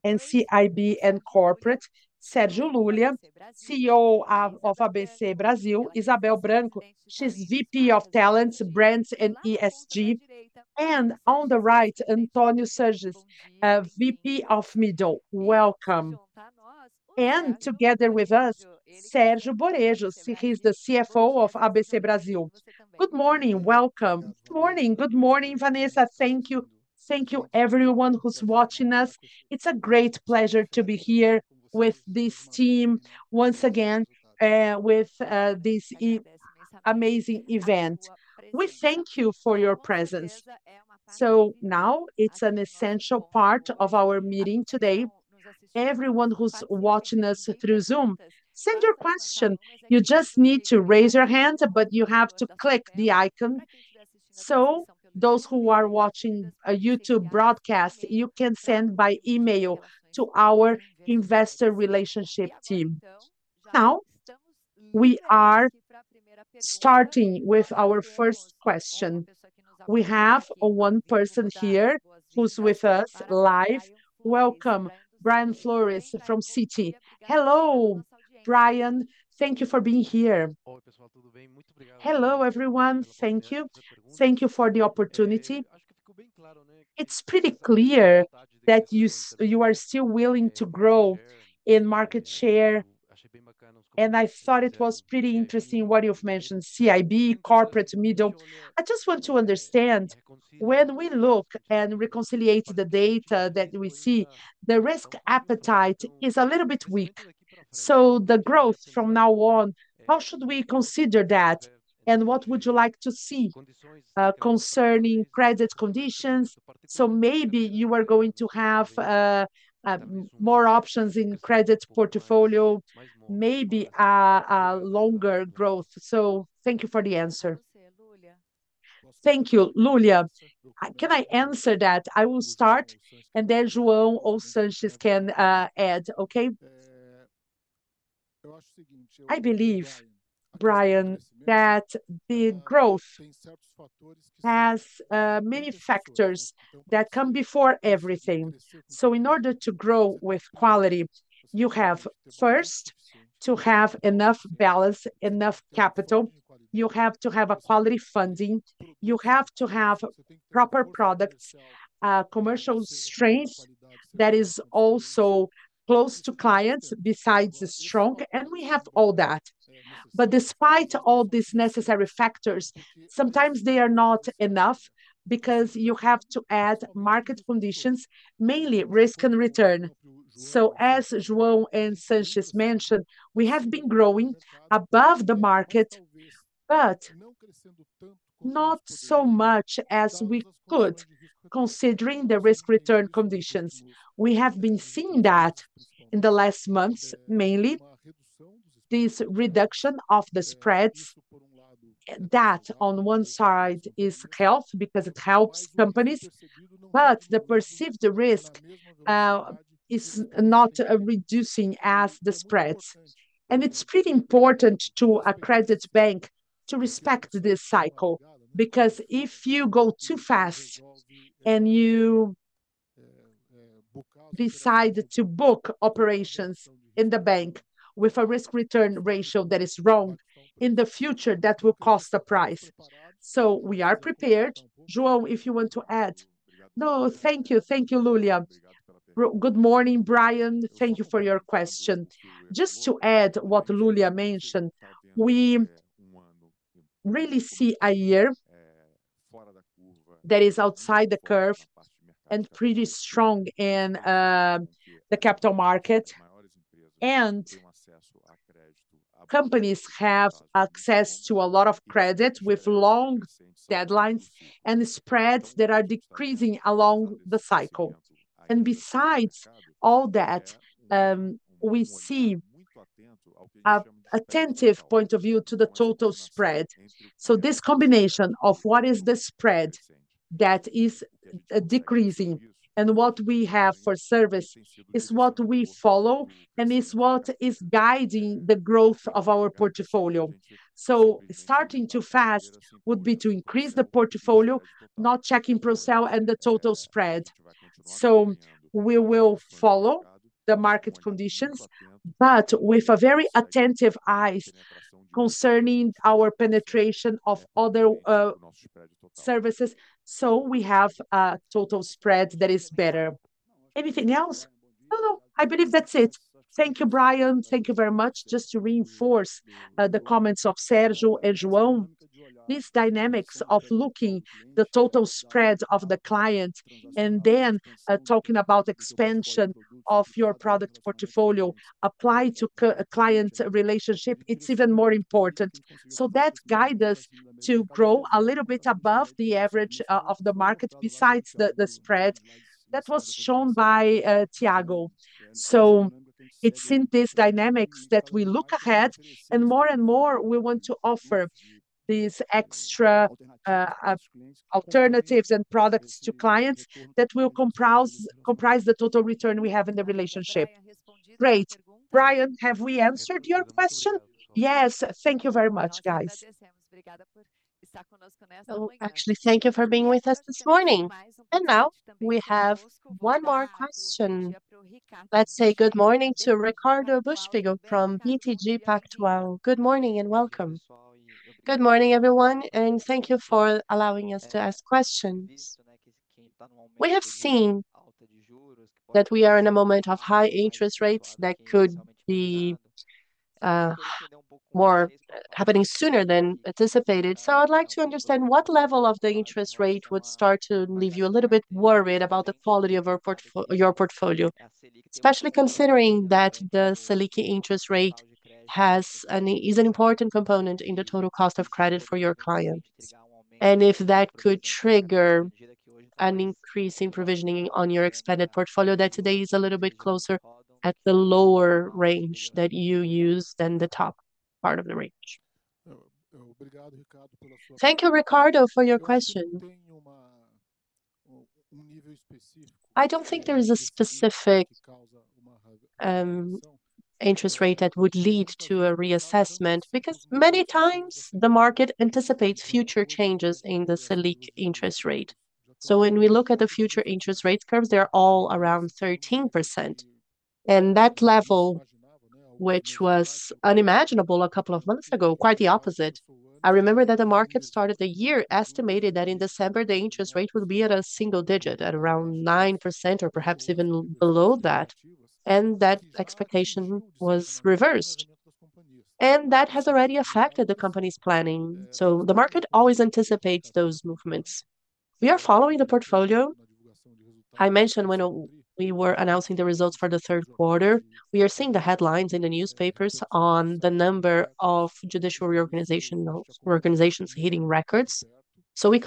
of CIB and Corporate, Sergio Lulia, CEO of ABC Brasil, Izabel Branco, she's VP of Talent, Brand, and ESG. On the right, Antonio Sanchez, VP of Middle. Welcome and together with us, Sérgio Borejo. He's the CFO of ABC Brasil. Good morning. Welcome. Good morning. Good morning, Vanessa. Thank you. Thank you everyone who's watching us. It's a great pleasure to be here with this team once again with this amazing event. We thank you for your presence. So now it's an essential part of our meeting today. Everyone who's watching us through Zoom, send your question. You just need to raise your hand, but you have to click the icon. So those who are watching a YouTube broadcast, if you can send by email to our Investor Relations team. Now we are starting with our first question. We have one person here who's with us live. Welcome Brian Flores from Citi. Hello, Brian. Thank you for being here. Hello everyone. Thank you. Thank you for the opportunity. It's pretty clear that you are still willing to grow in market share. And I thought it was pretty interesting what you've mentioned. CIB, Corporate, Middle. I just want to understand when we look and reconcile the data that we see, the risk appetite is a little bit weak. So the growth from now on, how should we consider that? And what would you like to see concerning credit conditions? So maybe you are going to have more options in credit portfolio, maybe longer growth. So thank you for the answer. Thank you. Lulia, can I answer that? I will start and then João also can add. Okay. I believe, Brian, that the growth has many factors that come before everything. So in order to grow with quality, you have first to have enough balance, enough capital. You have to have a quality funding, you have to have proper products, commercial strength that is also close to clients, besides strong. And we have all that. But despite all these necessary factors, sometimes they are not enough because you have to add market conditions, mainly risk and return. So as João and Sanchez mentioned, we have been growing above the market, but not so much as we could considering the risk return conditions. We have been seeing that in the last months, mainly this reduction of the spreads that on one side is healthy because it helps companies, but the perceived risk is not reducing as the spreads. And it's pretty important to a credit bank to respect this cycle because if you go too fast and you decide to book operations in the bank with a risk return ratio that is wrong in the future that will cost a price. So we are prepared. João, if you want to add. No, thank you. Thank you, Lulia. Good morning, Brian. Thank you for your question. Just to add what Lulia mentioned, we really see a year that is outside the curve and pretty strong in the capital market. And companies have access to a lot of credit with long deadlines and spreads that are decreasing along the cycle, and besides all that, we see attentive point of view to the total spread, so this combination of what is the spread that is decreasing and what we have for service is what we follow and is what is guiding the growth of our portfolio, so starting too fast would be to increase the portfolio and not checking controls and the total spread, so we will follow the market conditions, but with a very attentive eyes concerning our penetration of other services, so we have a total spread that is better. Anything else? No, no, I believe that's it. Thank you, Brian. Thank you very much. Just to reinforce the comments of Sergio as well. These dynamics of looking the total spread of the client and then talking about expansion of your product portfolio apply to client relationship. It's even more important. So that guide us to grow a little bit above the average of the market besides the spread that was shown by Thiago. So it's in these dynamics that we look ahead and more and more we want to offer these extra alternatives and products to clients that will comprise the total return we have in the relationship. Great. Brian, have we answered your question? Yes. Thank you very much guys. Actually, thank you for being with us this morning. And now we have one more question. Let's say good morning to Ricardo Buchpiguel from BTG Pactual. Wow. Good morning and welcome. Good morning everyone and thank you for allowing us to ask questions. We have seen that we are in a moment of high interest rates that could be more happening sooner than anticipated. So I'd like to understand what level of the interest rate would start to leave you a little bit worried about the quality of your portfolio. Especially considering that the Selic interest rate is an important component in the total cost of credit for your client and if that could trigger an increase in provisioning on your expanded portfolio that today is a little bit closer at the lower range that you use than the top part of the range. Thank you Ricardo for your question. I don't think there is a specific interest rate that would lead to a reassessment because many times the market anticipates future changes in the Selic interest rate. So when we look at the future interest rate curves, they're all around 13% and that level which was unimaginable a couple of months ago, quite the opposite. I remember that the market started the year estimated that in December the interest rate will be at a single digit at around 9% or perhaps even below that, and that expectation was reversed and that has already affected the company's planning. So the market always anticipates those movements. We are following the portfolio I mentioned when we were announcing the results for the third quarter. We are seeing the headlines in the newspapers on the number of judicial reorganizations hitting records. So we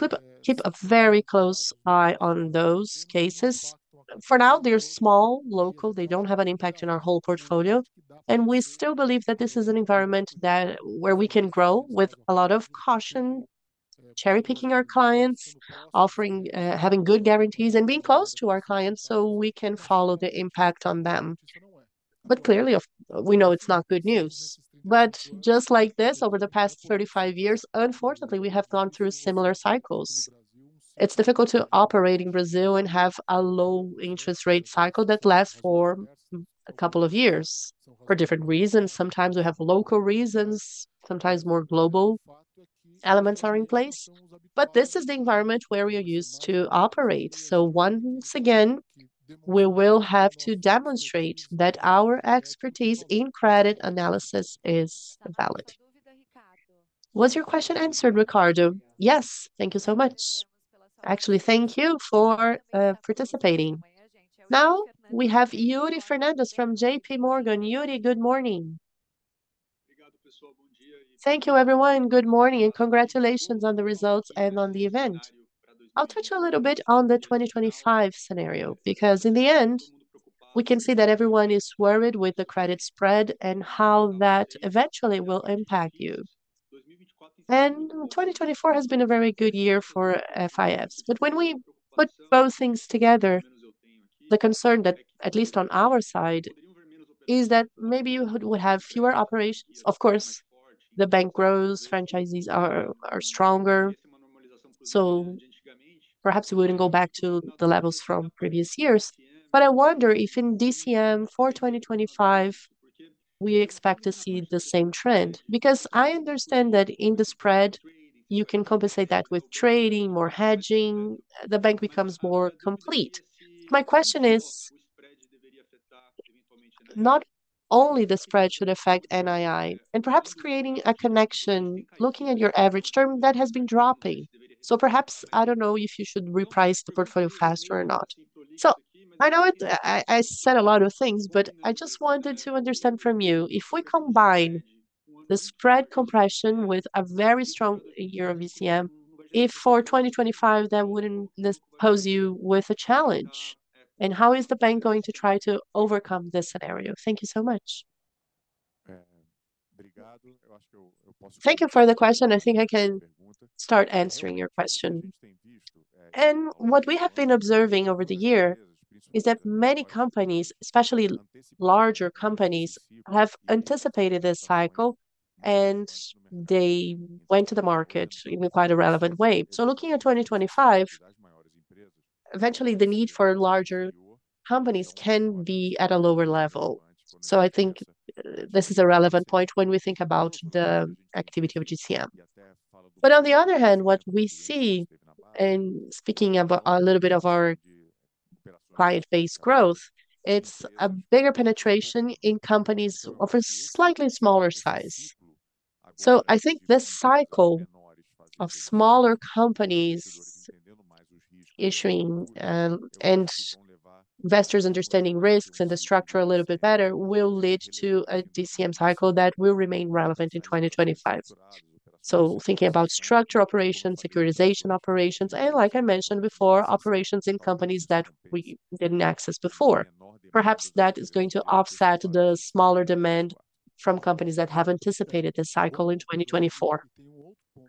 keep a very close eye on those cases for now. They're small, local, they don't have an impact in our whole portfolio. And we still believe that this is an environment that where we can grow with a lot of caution. Cherry picking our clients, offering having good guarantees and being close to our clients so we can follow the impact on them. But clearly we know it's not good news. But just like this, over the past 35 years, unfortunately we have gone through similar cycles. It's difficult to operate in Brazil and have a low interest rate cycle that lasts for a couple of years for different reasons. Sometimes we have local reasons, sometimes more global elements are in place, but this is the environment where we are used to operate. So once again we will have to demonstrate that our expertise in credit analysis is valid. Was your question answered, Ricardo? Yes, thank you so much. Actually thank you for participating. Now we have Yuri Fernandes from JPMorgan. Yuri, good morning. Thank you everyone. Good morning and congratulations on the results and on the event. I'll touch a little bit on the 2025 scenario because in the end we can see that everyone is worried with the credit spread and how that eventually will impact you, and 2024 has been a very good year for FIs, but when we put both things together, the concern that at least on our side is that maybe you would have fewer operations. Of course the bank grows, the franchise is stronger, so perhaps we wouldn't go back to the levels from previous years, but I wonder if in DCM for 2025 we expect to see the same trend because I understand that in the spread you can compensate that with trading, more hedging, the bank becomes more complete. My question is not only the spread should affect NII and perhaps creating a connection looking at your average term that has been dropping. So perhaps I don't know if you should reprice the portfolio faster or not. So I know I said a lot of things, but I just wanted to understand from you if we combine the spread compression with a very strong year of ECM, if for 2025 that wouldn't pose you with a challenge and how is the bank going to try to overcome this scenario? Thank you so much. Thank you for the question. I think I can start answering your question, and what we have been observing over the year is that many companies, especially larger companies, have anticipated this cycle and they went to the market in quite a relevant way. So looking at 2025, eventually the need for larger companies can be at a lower level. So I think this is a relevant point when we think about the activity of ECM. But on the other hand, what we see and speaking about a little bit of our client based growth, it's a bigger penetration in companies of a slightly smaller size. So I think this cycle of smaller companies issuing and investors understanding risks and the structure a little bit better will lead to a DCM cycle that will remain relevant in 2025. So thinking about structured operations, securitization operations and like I mentioned before, operations in companies that we didn't access before, perhaps that is going to offset the smaller demand from companies that have anticipated this cycle in 2024.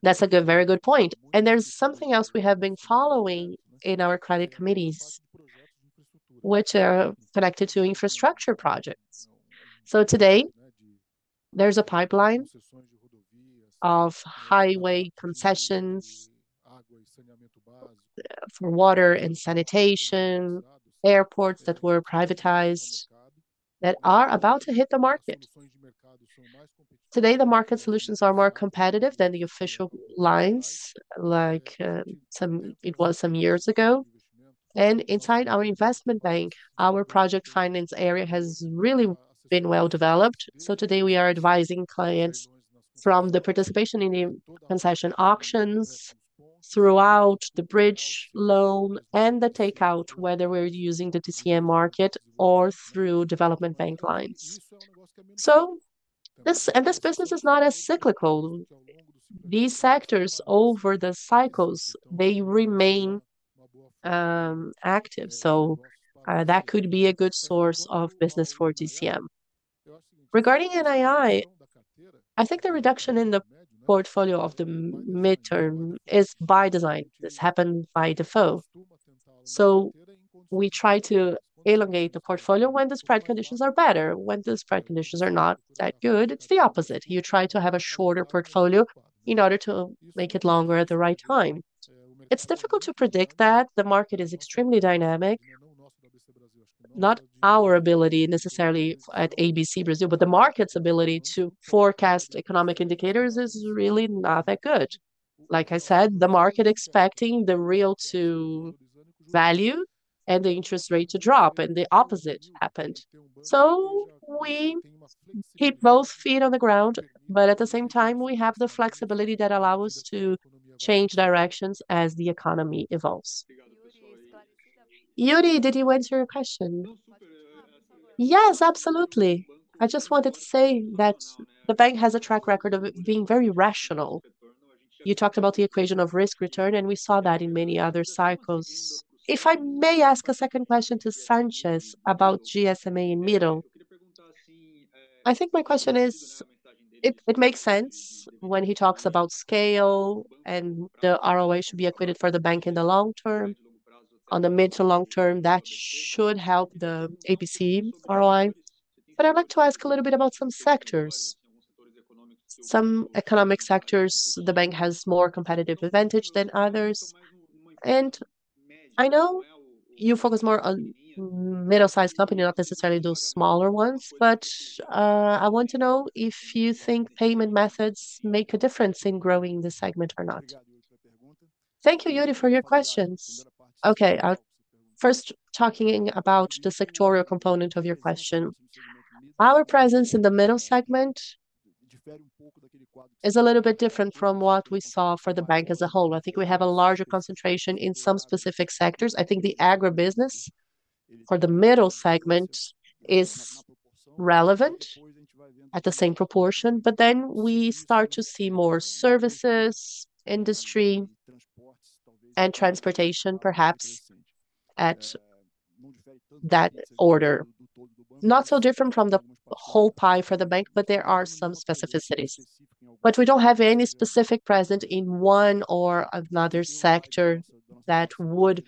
That's a good, very good point. There's something else we have been following in our credit committees which are connected to infrastructure projects. Today there's a pipeline of highway concessions for water and sanitation, airports that were privatized that are about to hit the market. Today the market solutions are more competitive than the official lines like it was some years ago. Inside our investment bank, our project finance area has really been well developed. Today we are advising clients from the participation in the concession auctions throughout the bridge loan and the takeout, whether we're using the DCM market or through development bank lines. This and this business is not as cyclical. These sectors over the cycles they remain active. That could be a good source of business for DCM. Regarding NII, I think the reduction in the portfolio of the mid-market is by design. This happened by design. We try to elongate the portfolio when the spread conditions are better. When the spread conditions are not that good, it's the opposite. You try to have a shorter portfolio in order to make it longer at the right time. It's difficult to predict that the market is extremely dynamic. Not our ability necessarily at ABC Brasil, but the market's ability to forecast economic indicators is really not that good. Like I said, the market expecting the real to value and the interest rate to drop. And the opposite happened. We keep both feet on the ground, but at the same time we have the flexibility that allow us to change directions as the economy evolves. Yuri, did you answer your question? Yes, absolutely. I just wanted to say that the bank has a track record of being very rational. You talked about the equation of risk return and we saw that in many other cycles. If I may ask a second question to Sanchez about GSMA in middle. I think my question is it makes sense when he talks about scale and the ROI should be equated for the bank in the long term, on the mid to long term, that should help the ABC ROI. But I'd like to ask a little bit about some sectors, some economic sectors. The bank has more competitive advantage than others. And I know you focus more on middle sized companies, not necessarily those smaller ones. But I want to know if you think payment methods make a difference in growing the segment or not. Thank you, Yuri, for your questions. Okay, first, talking about the sectoral component of your question. Our presence in the middle segment is a little bit different from what we saw for the bank as a whole. I think we have a larger concentration in some specific sectors. I think the agribusiness for the middle segment is relevant at the same proportion, but then we start to see more services, industry and transportation, perhaps at that order, not so different from the whole pie for the bank. But there are some specificities, but we don't have any specific presence in one or another sector that would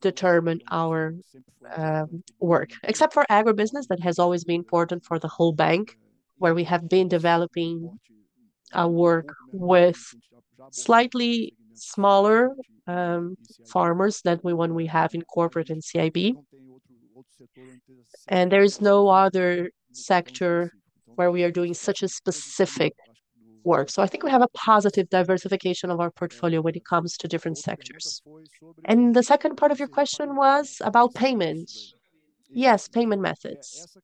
determine our work, except for agribusiness. That has always been important for the whole bank, where we have been developing our work with slightly smaller farmers than we have in corporate and CIB, and there is no other sector where we are doing such a specific. So I think we have a positive diversification of our portfolio when it comes to different sectors. And the second part of your question was about payments. Yes, payment methods.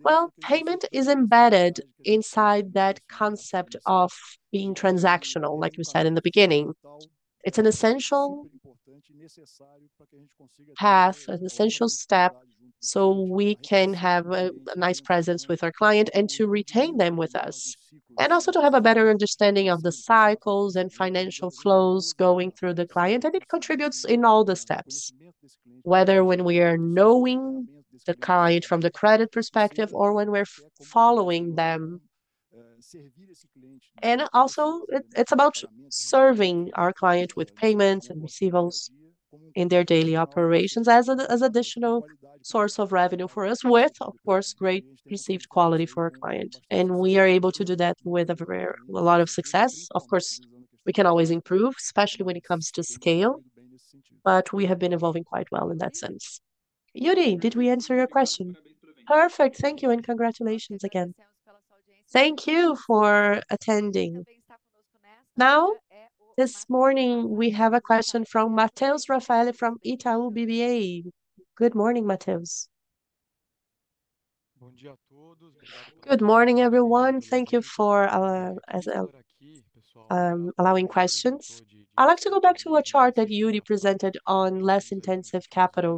Well, payment is embedded inside that concept of being transactional. Like you said in the beginning, it's an essential path, an essential step, so we can have a nice presence with our client and to retain them with us. And also to have a better understanding of the cycles and financial flows going through the client. And it contributes in all the steps, whether when we are knowing the client from the credit perspective or when we're following them. And also it's about serving our client with payments and receivables in their daily operations as additional source of revenue for us, with of course, great received quality for a client. We are able to do that with a lot of success. Of course we can always improve, especially when it comes to scale, but we have been evolving quite well in that sense. Yuri, did we answer your question? Perfect, thank you and congratulations again. Thank you for attending. Now, this morning we have a question from Mateus Raffaelli from Itaú BBA. Good morning, Mateus. Good morning everyone. Thank you for allowing questions. I'd like to go back to a chart that Yuri presented on less capital-intensive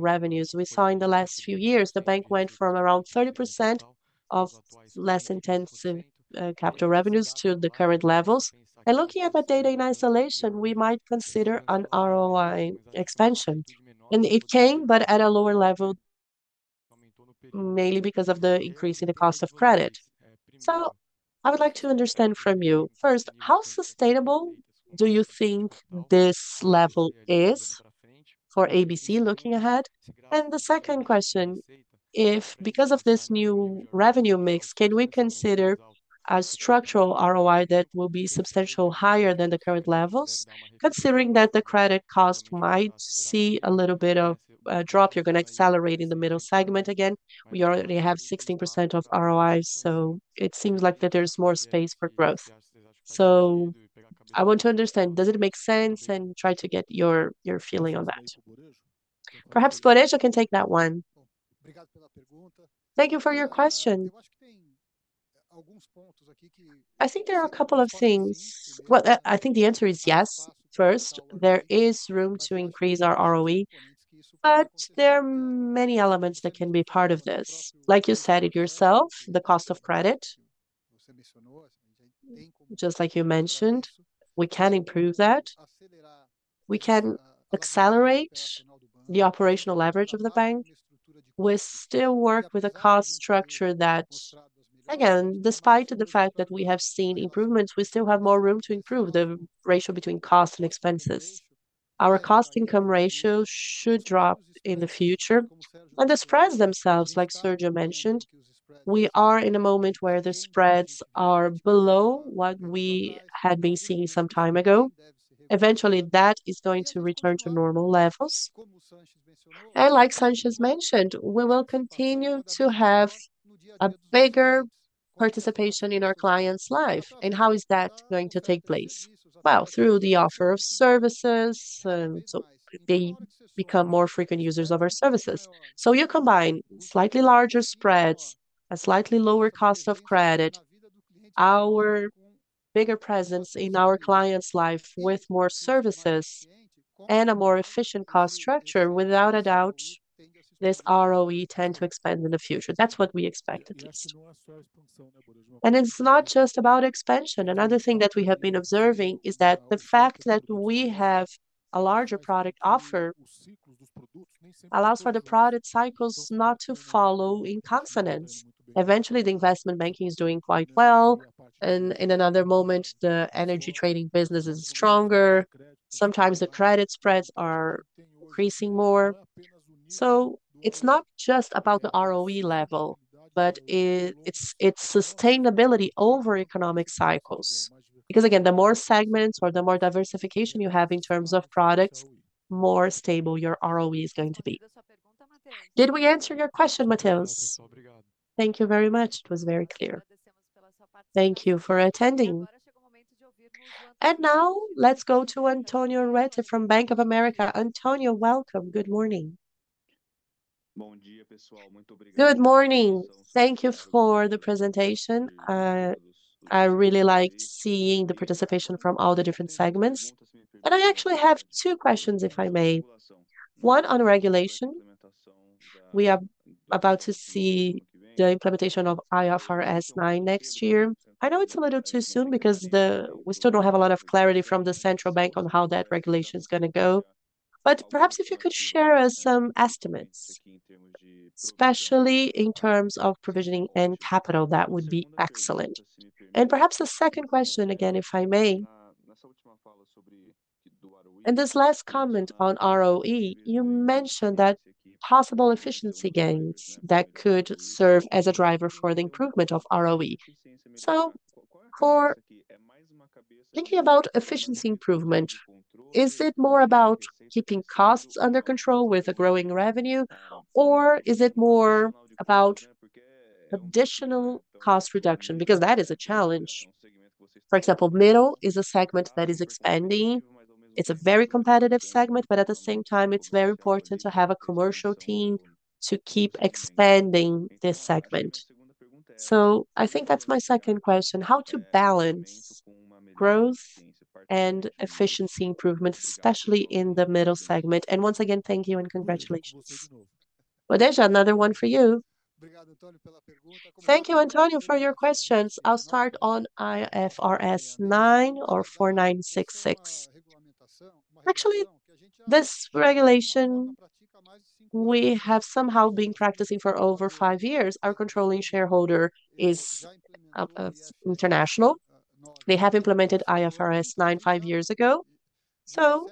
revenues. We saw in the last few years, the bank went from around 30% of less capital-intensive revenues to the current levels. And looking at the data in isolation, we might consider an ROI expansion. And it came but at a lower level, mainly because of the increase in the cost of credit. So I would like to understand from you first, how sustainable do you think this level is for ABC looking ahead? And the second question, if because of this new revenue mix can we consider a structural ROI that will be substantially higher than the current levels? Considering that the credit cost will might see a little bit of drop, you're going to accelerate in the middle segment. Again we already have 16% of ROI, so it seems like that there's more space for growth. So I want to understand does it make sense? And try to get your feeling on that. Perhaps Borejo can take that one. Thank you for your question. I think there are a couple of things. I think the answer is yes. First, there is room to increase our ROE, but there are many elements that can be part of this. Like you said it yourself, the cost of credit, just like you mentioned, we can improve that. We can accelerate the operational leverage of the bank. We still work with a cost structure that again, despite the fact that we have seen improvements, we still have more room to improve the ratio between cost and expenses. Our cost income ratio should drop in the future, and the spreads themselves, like Sergio mentioned, we are in a moment where the spreads are below what we had been seeing some time ago. Eventually that is going to return to normal levels, and like Sanchez mentioned, we will continue to have a bigger participation in our client's life. And how is that going to take place. Well, through the offer of services, so they become more frequent users of our services. So you combine slightly larger spreads, a slightly lower cost of credit, our bigger presence in our clients' life with more services and a more efficient cost structure. Without a doubt this ROE tend to expand in the future. That's what we expect at least. It's not just about expansion. Another thing that we have been observing is that the fact that we have a larger product offer allows for the product cycles not to follow in concert. Eventually the investment banking is doing quite well. In another moment the energy trading business is stronger. Sometimes the credit spreads are increasing more. It's not just about the ROE level, but it's sustainability over economic cycles. Because again the more segments or the more diversification you have in terms of products, more stable your ROE is going to be. Did we answer your question, Mateus? Thank you very much. It was very clear. Thank you for attending. And now let's go to Antonio Ruette from Bank of America. Antonio, welcome. Good morning. Good morning. Thank you for the presentation. I really liked seeing the participation from all the different segments. And I actually have two questions, if I may. One, on regulation, we are about to see the implementation of IFRS 9 next year. I know it's a little too soon because we still don't have a lot of clarity from the Central Bank on how that regulation is going to go. But perhaps if you could share some estimates, especially in terms of provisioning and capital, that would be excellent. And perhaps the second question, again, if I may, in this last comment on ROE, you mentioned that possible efficiency gains that could serve as a driver for the improvement of ROE. So for thinking about efficiency improvement, is it more about keeping costs under control with a growing revenue or is it more about additional cost reduction? Because that is a challenge. For example, middle is a segment that is expanding. It's a very competitive segment. But at the same time, it's very important to have a commercial team to keep expanding this segment. So I think that's my second question, how to balance growth and efficiency improvement, especially in the middle segment. And once again, thank you and congratulations. Borejo, another one for you. Thank you, Antonio, for your questions. I'll start on IFRS 9 or 4966. Actually, this regulation we have somehow been practicing for over five years. Our controlling shareholder is international. They have implemented IFRS 9 five years ago. So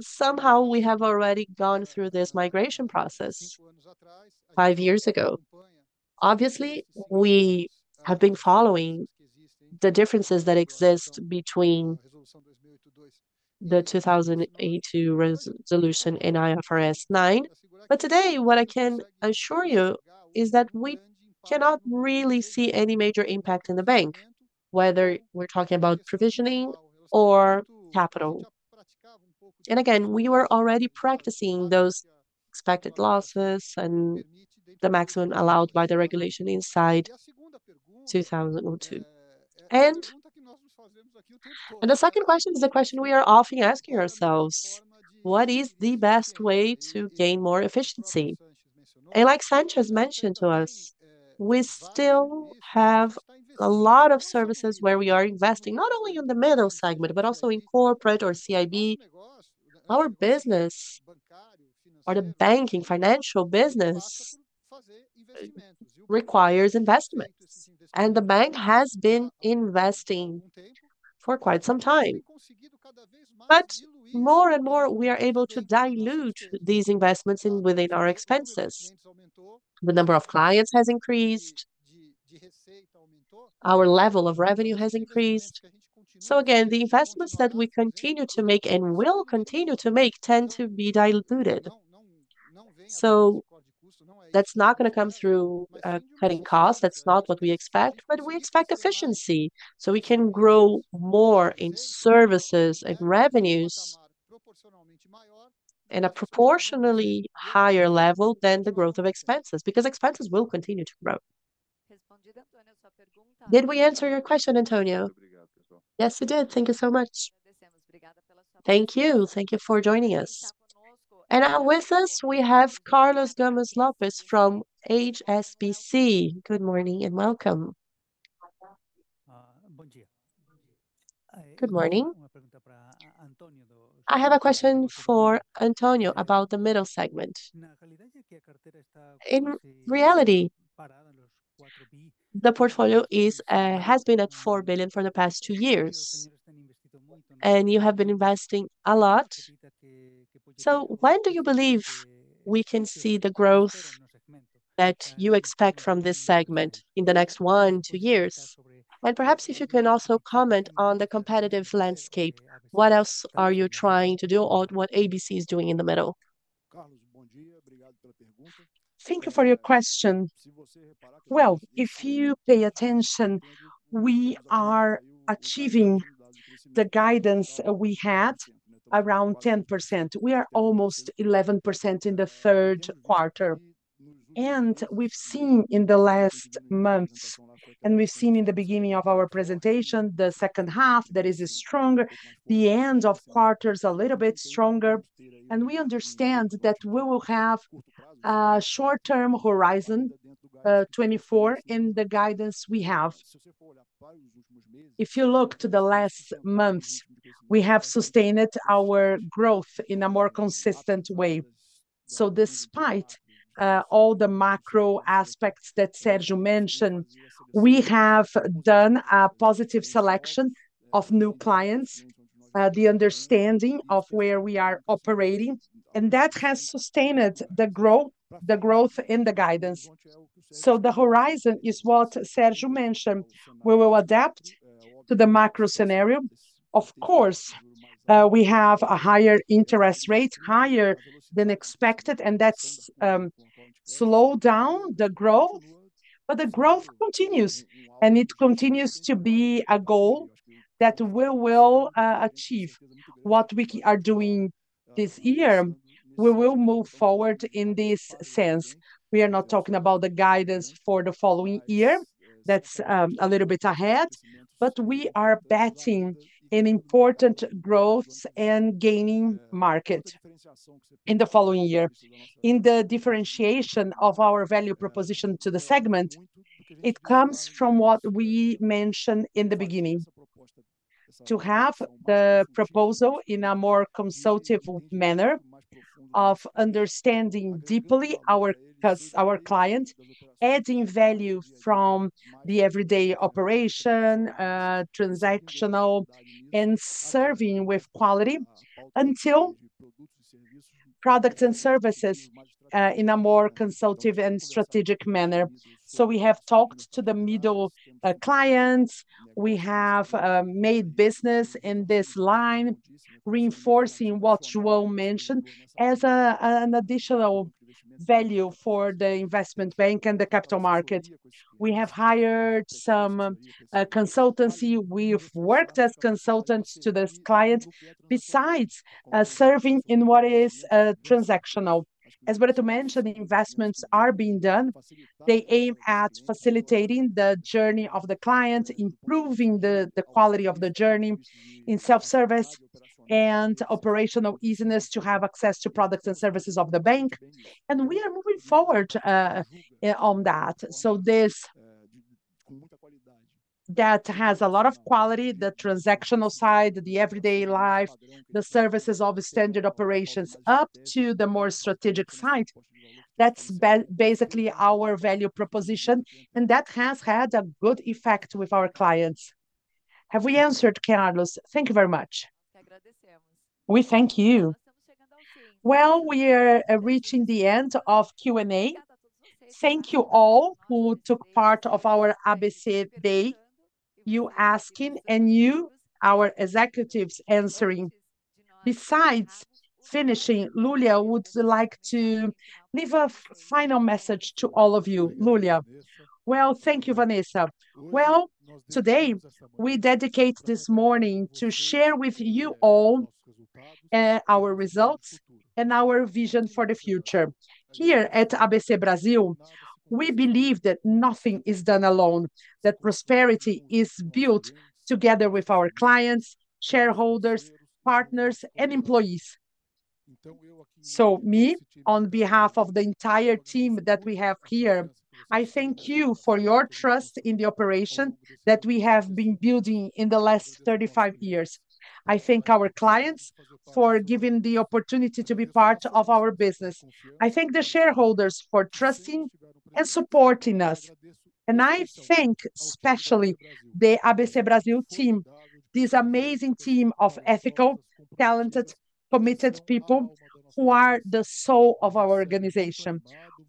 somehow we have already gone through this migration process five years ago. Obviously, we have been following the differences that exist between the 2018 resolution and IFRS 9, but today, what I can assure you is that we cannot really see any major impact in the bank, whether we're talking about provisioning or capital, and again, we were already practicing those expected losses and the maximum allowed by the regulation inside, and the second question is the question we are often asking ourselves. What is the best way to gain more efficiency? And like Sanchez mentioned to us, we still have a lot of services where we are investing, not only in the middle segment, but also in corporate or CIB. Our business or the banking financial business requires investment and the bank has been investing for quite some time, but more and more we are able to dilute these investments within our expenses. The number of clients has increased, our level of revenue has increased. So again, the investments that we continue to make and will continue to make tend to be diluted. So that's not going to come through cutting costs. That's not what we expect. But we expect efficiency so we can grow more in services and revenues in a proportionally higher level than the growth of expenses, because expenses will continue to grow. Did we answer your question, Antonio? Yes, it did. Thank you so much. Thank you. Thank you for joining us. And now with us we have Carlos Gomez-Lopez from HSBC. Good morning and welcome. Good morning. I have a question for Antonio about the middle segment. In reality, the portfolio has been at 4 billion for the past two years and you have been investing a lot. So when do you believe we can see the growth that you expect from this segment in the next 12 years? And perhaps if you can also comment on the competitive landscape, what else are you trying to do or what ABC is doing in the middle? Thank you for your question. If you pay attention, we are achieving the guidance. We had around 10%. We are almost 11% in the third quarter, and we've seen in the last months and we've seen in the beginning of our presentation, the second half that is stronger, the end of quarters, a little bit stronger, and we understand that we will have a short term horizon, and the guidance we have, if you look to the last months, we have sustained our growth in a more consistent way, so despite all the macro aspects that Sergio mentioned, we have done a positive selection of new clients, the understanding of where we are operating and that has sustained the growth, the growth in the guidance, so the horizon is what Sergio mentioned. We will adapt to the macro scenario. Of course we have a higher interest rate, higher than expected and that's slow down the growth. But the growth continues and it continues to be a goal that we will achieve. What we are doing this year, we will move forward. In this sense, we are not talking about the guidance for the following year, that's a little bit ahead. But we are betting an important growth and gaining market in the following year. In the differentiation of our value proposition to the segment. It comes from what we mentioned in the beginning to have the proposal in a more consultative manner of understanding deeply our client, adding value from the everyday operational transactional and serving with quality until products and services in a more consultative and strategic manner. So we have talked to the middle clients. We have made business in this line reinforcing what João mentioned as an additional value for the investment bank and the capital market. We have hired some consultancy, we've worked as consultants to this client. Besides serving in what is a transactional, as Borejo mentioned, the investments are being done. They aim at facilitating the journey of the client, improving the quality of the journey in self service and operational easiness to have access to products and services of the bank. And we are moving forward on that. So this, that has a lot of quality, the transactional side, the everyday life, the services of standard operations up to the more strategic side. That's basically our value proposition and that has had a good effect with our clients. Have we answered, Carlos? Thank you very much. We thank you. Well, we are reacing the end of Q&A. Thank you all who took part of our ABC Day, you asking. And you, our executives, answering. Before finishing, Lulia would like to leave a final message to all of you. Lulia. Well, thank you, Vanessa. Well, today we dedicate this morning to share with you all our results and our vision for the future here at ABC Brasil. We believe that nothing is done alone. That prosperity is built together with our clients, shareholders, partners and employees. So, I, on behalf of the entire team that we have here, thank you for your trust in the operation that we have been building in the last 35 years. I thank our clients for giving the opportunity to be part of our business. I thank the shareholders for trusting and supporting us. I thank especially the Banco ABC Brasil team, this amazing team of ethical, talented, committed people who are the soul of our organization.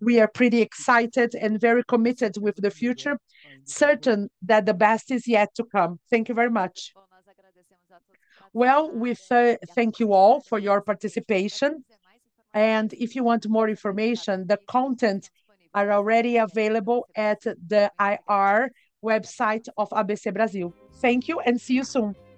We are pretty excited and very committed with the future, certain that the best is yet to come. Thank you very much. We thank you all for your participation and if you want more information, the content are already available at the IR website of Banco ABC Brasil. Thank you and see you soon.